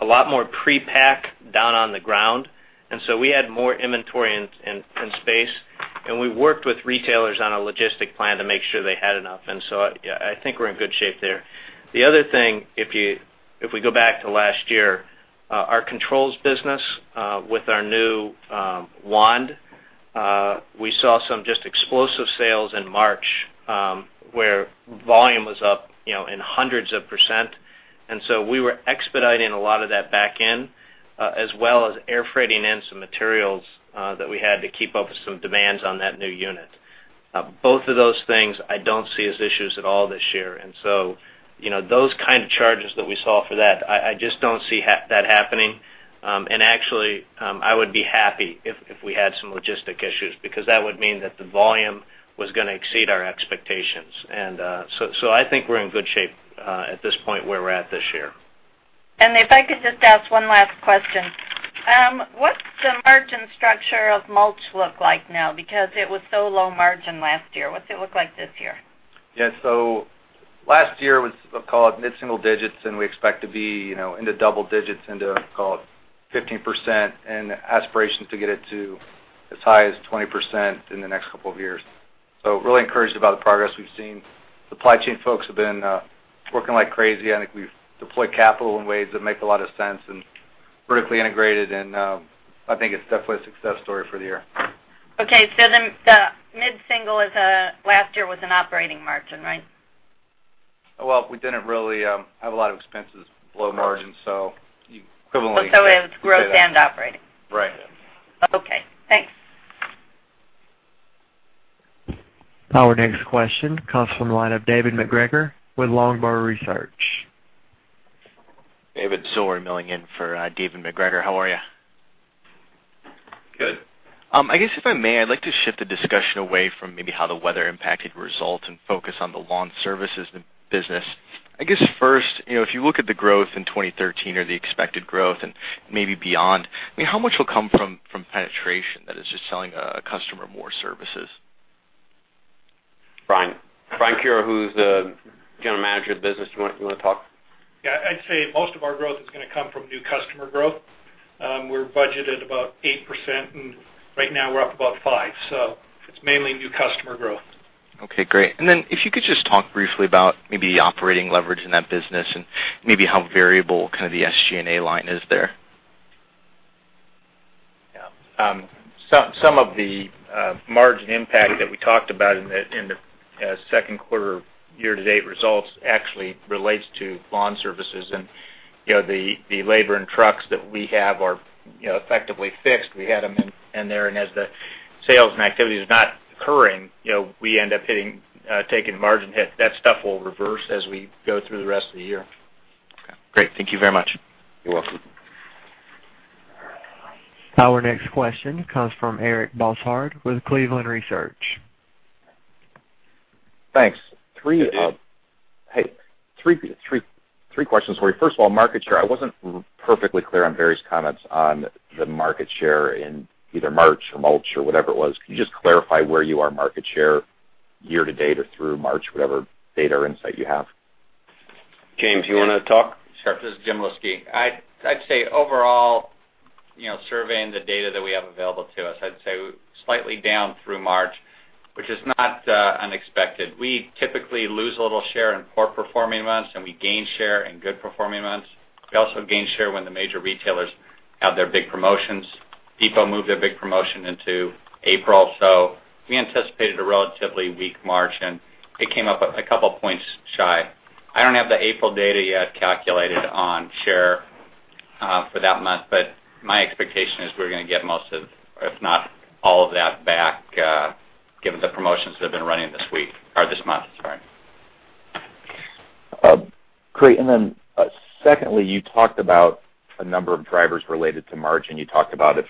a lot more pre-pack down on the ground, and so we had more inventory and space, and we worked with retailers on a logistic plan to make sure they had enough. I think we're in good shape there. The other thing, if we go back to last year, our controls business with our new wand, we saw some just explosive sales in March, where volume was up in hundreds of percent. We were expediting a lot of that back in, as well as air freighting in some materials that we had to keep up with some demands on that new unit. Both of those things I don't see as issues at all this year. Those kind of charges that we saw for that, I just don't see that happening. Actually, I would be happy if we had some logistic issues, because that would mean that the volume was going to exceed our expectations. I think we're in good shape at this point where we're at this year. If I could just ask one last question. What's the margin structure of mulch look like now? Because it was so low margin last year. What's it look like this year? Last year was, call it, mid-single digits, and we expect to be into double digits into, call it, 15%, and aspiration to get it to as high as 20% in the next couple of years. Really encouraged about the progress we've seen. Supply chain folks have been working like crazy. I think we've deployed capital in ways that make a lot of sense and vertically integrated, and I think it's definitely a success story for the year. The mid-single last year was an operating margin, right? We didn't really have a lot of expenses below margin, so you equivalently could say that. It's gross and operating. Right. Yes. Thanks. Our next question comes from the line of David Macgregor with Longbow Research. David Zori filling in for David Macgregor. How are you? Good. I guess if I may, I'd like to shift the discussion away from maybe how the weather impacted results and focus on the lawn services business. I guess first, if you look at the growth in 2013 or the expected growth and maybe beyond, how much will come from penetration, that is just selling a customer more services? Brian? Brian Kura, who's the general manager of the business, do you want to talk? Yeah. I'd say most of our growth is going to come from new customer growth. We're budgeted about 8%, and right now we're up about 5%. It's mainly new customer growth. Okay, great. If you could just talk briefly about maybe operating leverage in that business and maybe how variable kind of the SG&A line is there. Yeah. Some of the margin impact that we talked about in the second quarter year-to-date results actually relates to Scotts LawnService. The labor and trucks that we have are effectively fixed. We had them in there, and as the sales and activity is not occurring, we end up taking a margin hit. That stuff will reverse as we go through the rest of the year. Okay, great. Thank you very much. You're welcome. Our next question comes from Eric Bosshard with Cleveland Research. Thanks. Hey, dude. Hey. Three questions for you. First of all, market share. I wasn't perfectly clear on various comments on the market share in either March or mulch or whatever it was. Can you just clarify where you are market share year to date or through March, whatever data insight you have? Jim, do you want to talk? Sure. This is Jim Lyski. I'd say overall, surveying the data that we have available to us, I'd say slightly down through March, which is not unexpected. We typically lose a little share in poor performing months, and we gain share in good performing months. We also gain share when the major retailers have their big promotions. People moved their big promotion into April, so we anticipated a relatively weak March, and it came up a couple of points shy. I don't have the April data yet calculated on share for that month, but my expectation is we're going to get most of, if not all of that back, given the promotions that have been running this week or this month, sorry. Secondly, you talked about a number of drivers related to margin. You talked about if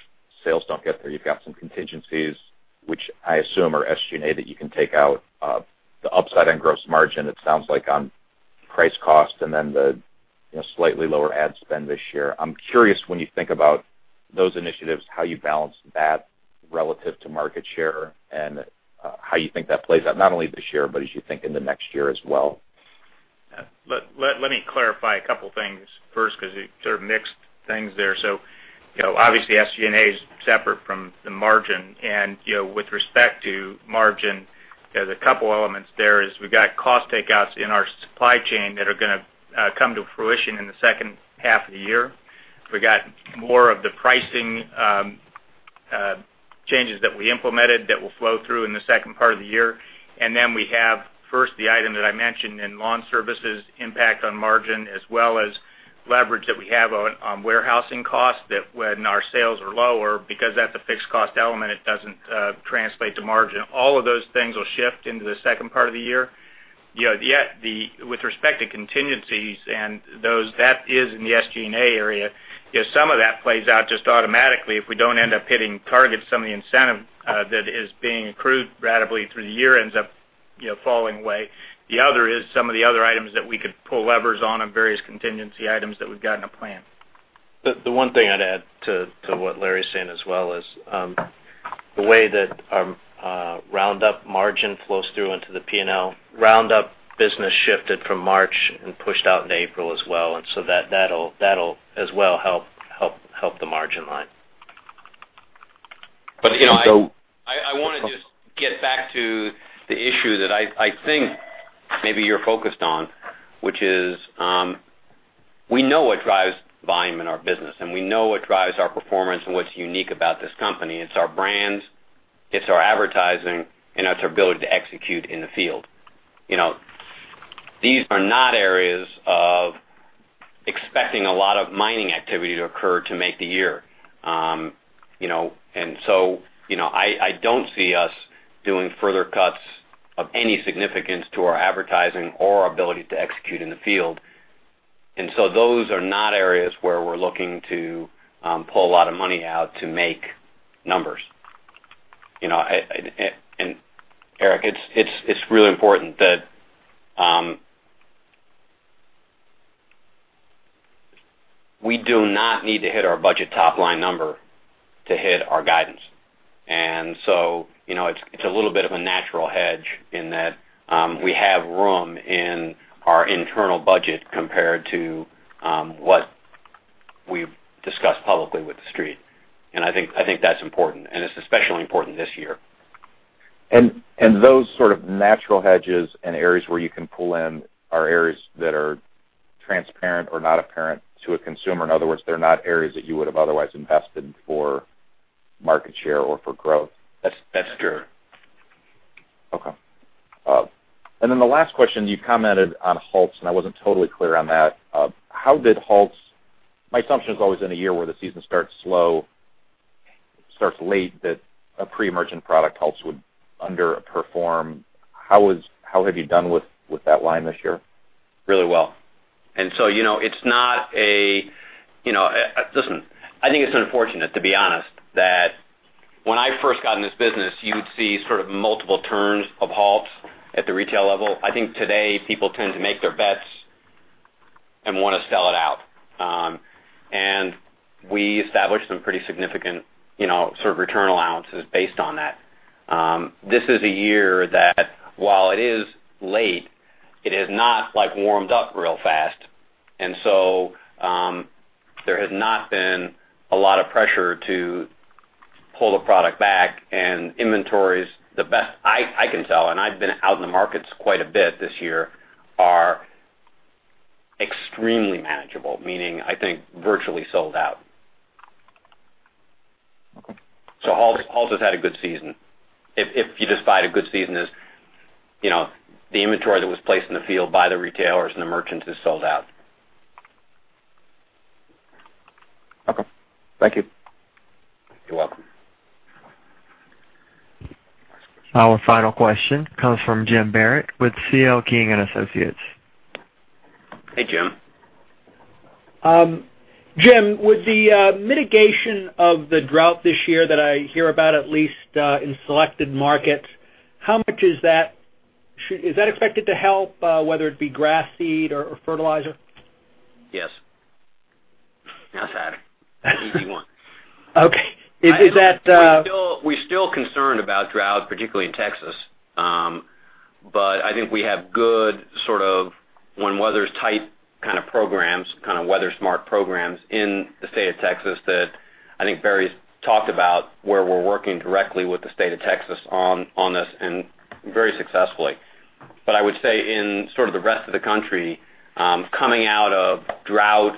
sales don't get there, you've got some contingencies, which I assume are SG&A, that you can take out, the upside and gross margin, it sounds like on price cost and the slightly lower ad spend this year. I'm curious when you think about those initiatives, how you balance that relative to market share and how you think that plays out, not only this year, but as you think in the next year as well. Let me clarify a couple of things first because you sort of mixed things there. Obviously SG&A is separate from the margin, and with respect to margin, there's a couple elements there is we got cost takeouts in our supply chain that are going to come to fruition in the second half of the year. We got more of the pricing changes that we implemented that will flow through in the second part of the year. We have first, the item that I mentioned in lawn services impact on margin as well as leverage that we have on warehousing costs that when our sales are lower, because that's a fixed cost element, it doesn't translate to margin. All of those things will shift into the second part of the year. With respect to contingencies and those, that is in the SG&A area, some of that plays out just automatically if we don't end up hitting targets, some of the incentive that is being accrued ratably through the year ends up falling away. The other is some of the other items that we could pull levers on and various contingency items that we've got in a plan. The one thing I'd add to what Larry's saying as well is the way that our Roundup margin flows through into the P&L Roundup business shifted from March and pushed out into April as well. That'll as well help the margin line. I want to just get back to the issue that I think maybe you're focused on, which is we know what drives volume in our business, and we know what drives our performance and what's unique about this company. It's our brands, it's our advertising, and it's our ability to execute in the field. These are not areas of expecting a lot of mining activity to occur to make the year. I don't see us doing further cuts of any significance to our advertising or our ability to execute in the field. Those are not areas where we're looking to pull a lot of money out to make numbers. Eric, it's really important that we do not need to hit our budget top-line number to hit our guidance. It's a little bit of a natural hedge in that we have room in our internal budget compared to what we've discussed publicly with the street. I think that's important, and it's especially important this year. Those sort of natural hedges and areas where you can pull in are areas that are transparent or not apparent to a consumer. In other words, they're not areas that you would have otherwise invested for market share or for growth. That's true. Okay. The last question, you commented on Halts, and I wasn't totally clear on that. My assumption is always in a year where the season starts slow, starts late, that a pre-emergent product, Halts would underperform. How have you done with that line this year? Really well. Listen, I think it's unfortunate, to be honest, that when I first got in this business, you would see sort of multiple turns of Halts at the retail level. I think today people tend to make their bets Want to sell it out. We established some pretty significant sort of return allowances based on that. This is a year that while it is late, it has not warmed up real fast. There has not been a lot of pressure to pull the product back and inventories, the best I can tell, and I've been out in the markets quite a bit this year, are extremely manageable, meaning, I think, virtually sold out. Okay. Halts has had a good season, if you define a good season as the inventory that was placed in the field by the retailers and the merchants is sold out. Okay. Thank you. You're welcome. Our final question comes from Jim Barrett with C.L. King & Associates. Hey, Jim. Jim, with the mitigation of the drought this year that I hear about, at least in selected markets, how much is that? Is that expected to help whether it be grass, seed, or fertilizer? Yes. That's that. Easy one. Okay. We're still concerned about drought, particularly in Texas. I think we have good sort of when weather's tight kind of programs, kind of weather-smart programs in the state of Texas that I think Barry's talked about, where we're working directly with the state of Texas on this and very successfully. I would say in sort of the rest of the country, coming out of drought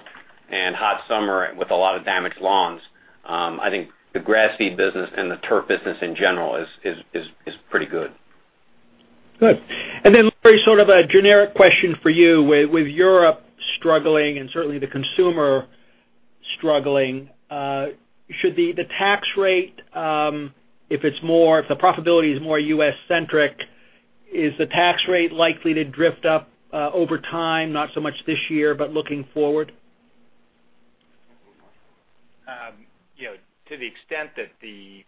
and hot summer with a lot of damaged lawns, I think the grass seed business and the turf business in general is pretty good. Good. Larry, sort of a generic question for you. With Europe struggling and certainly the consumer struggling, should the tax rate, if the profitability is more U.S.-centric, is the tax rate likely to drift up over time, not so much this year, but looking forward? To the extent the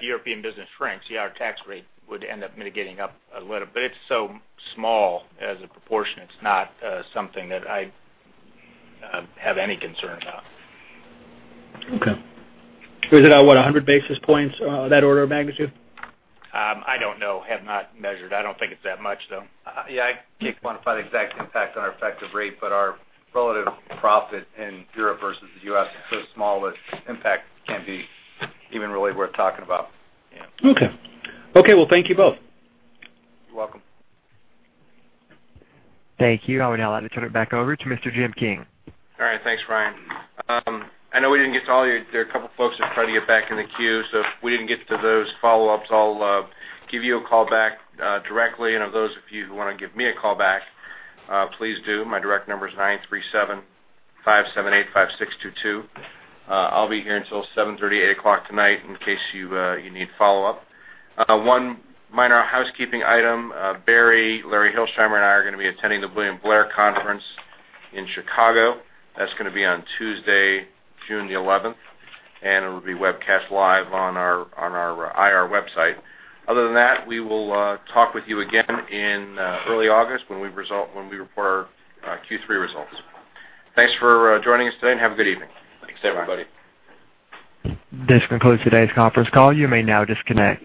European business shrinks, yeah, our tax rate would end up mitigating up a little. It's so small as a proportion, it's not something that I have any concern about. Okay. Is it at what, 100 basis points, that order of magnitude? I don't know. Have not measured. I don't think it's that much, though. Yeah, I can't quantify the exact impact on our effective rate, but our relative profit in Europe versus the U.S. is so small that impact can't be even really worth talking about. Okay. Okay. Well, thank you both. You're welcome. Thank you. I would now like to turn it back over to Mr. Jim King. All right. Thanks, Ryan. I know we didn't get to all of you. There are a couple of folks that tried to get back in the queue, so if we didn't get to those follow-ups, I'll give you a call back directly. Of those of you who want to give me a call back, please do. My direct number is 937-578-5622. I'll be here until 7:30 P.M., 8:00 P.M. tonight in case you need follow-up. One minor housekeeping item, Barry, Larry Hilsheimer and I are going to be attending the William Blair Conference in Chicago. That's going to be on Tuesday, June the 11th, and it will be webcast live on our IR website. Other than that, we will talk with you again in early August when we report our Q3 results. Thanks for joining us today, and have a good evening. Thanks, everybody. This concludes today's conference call. You may now disconnect.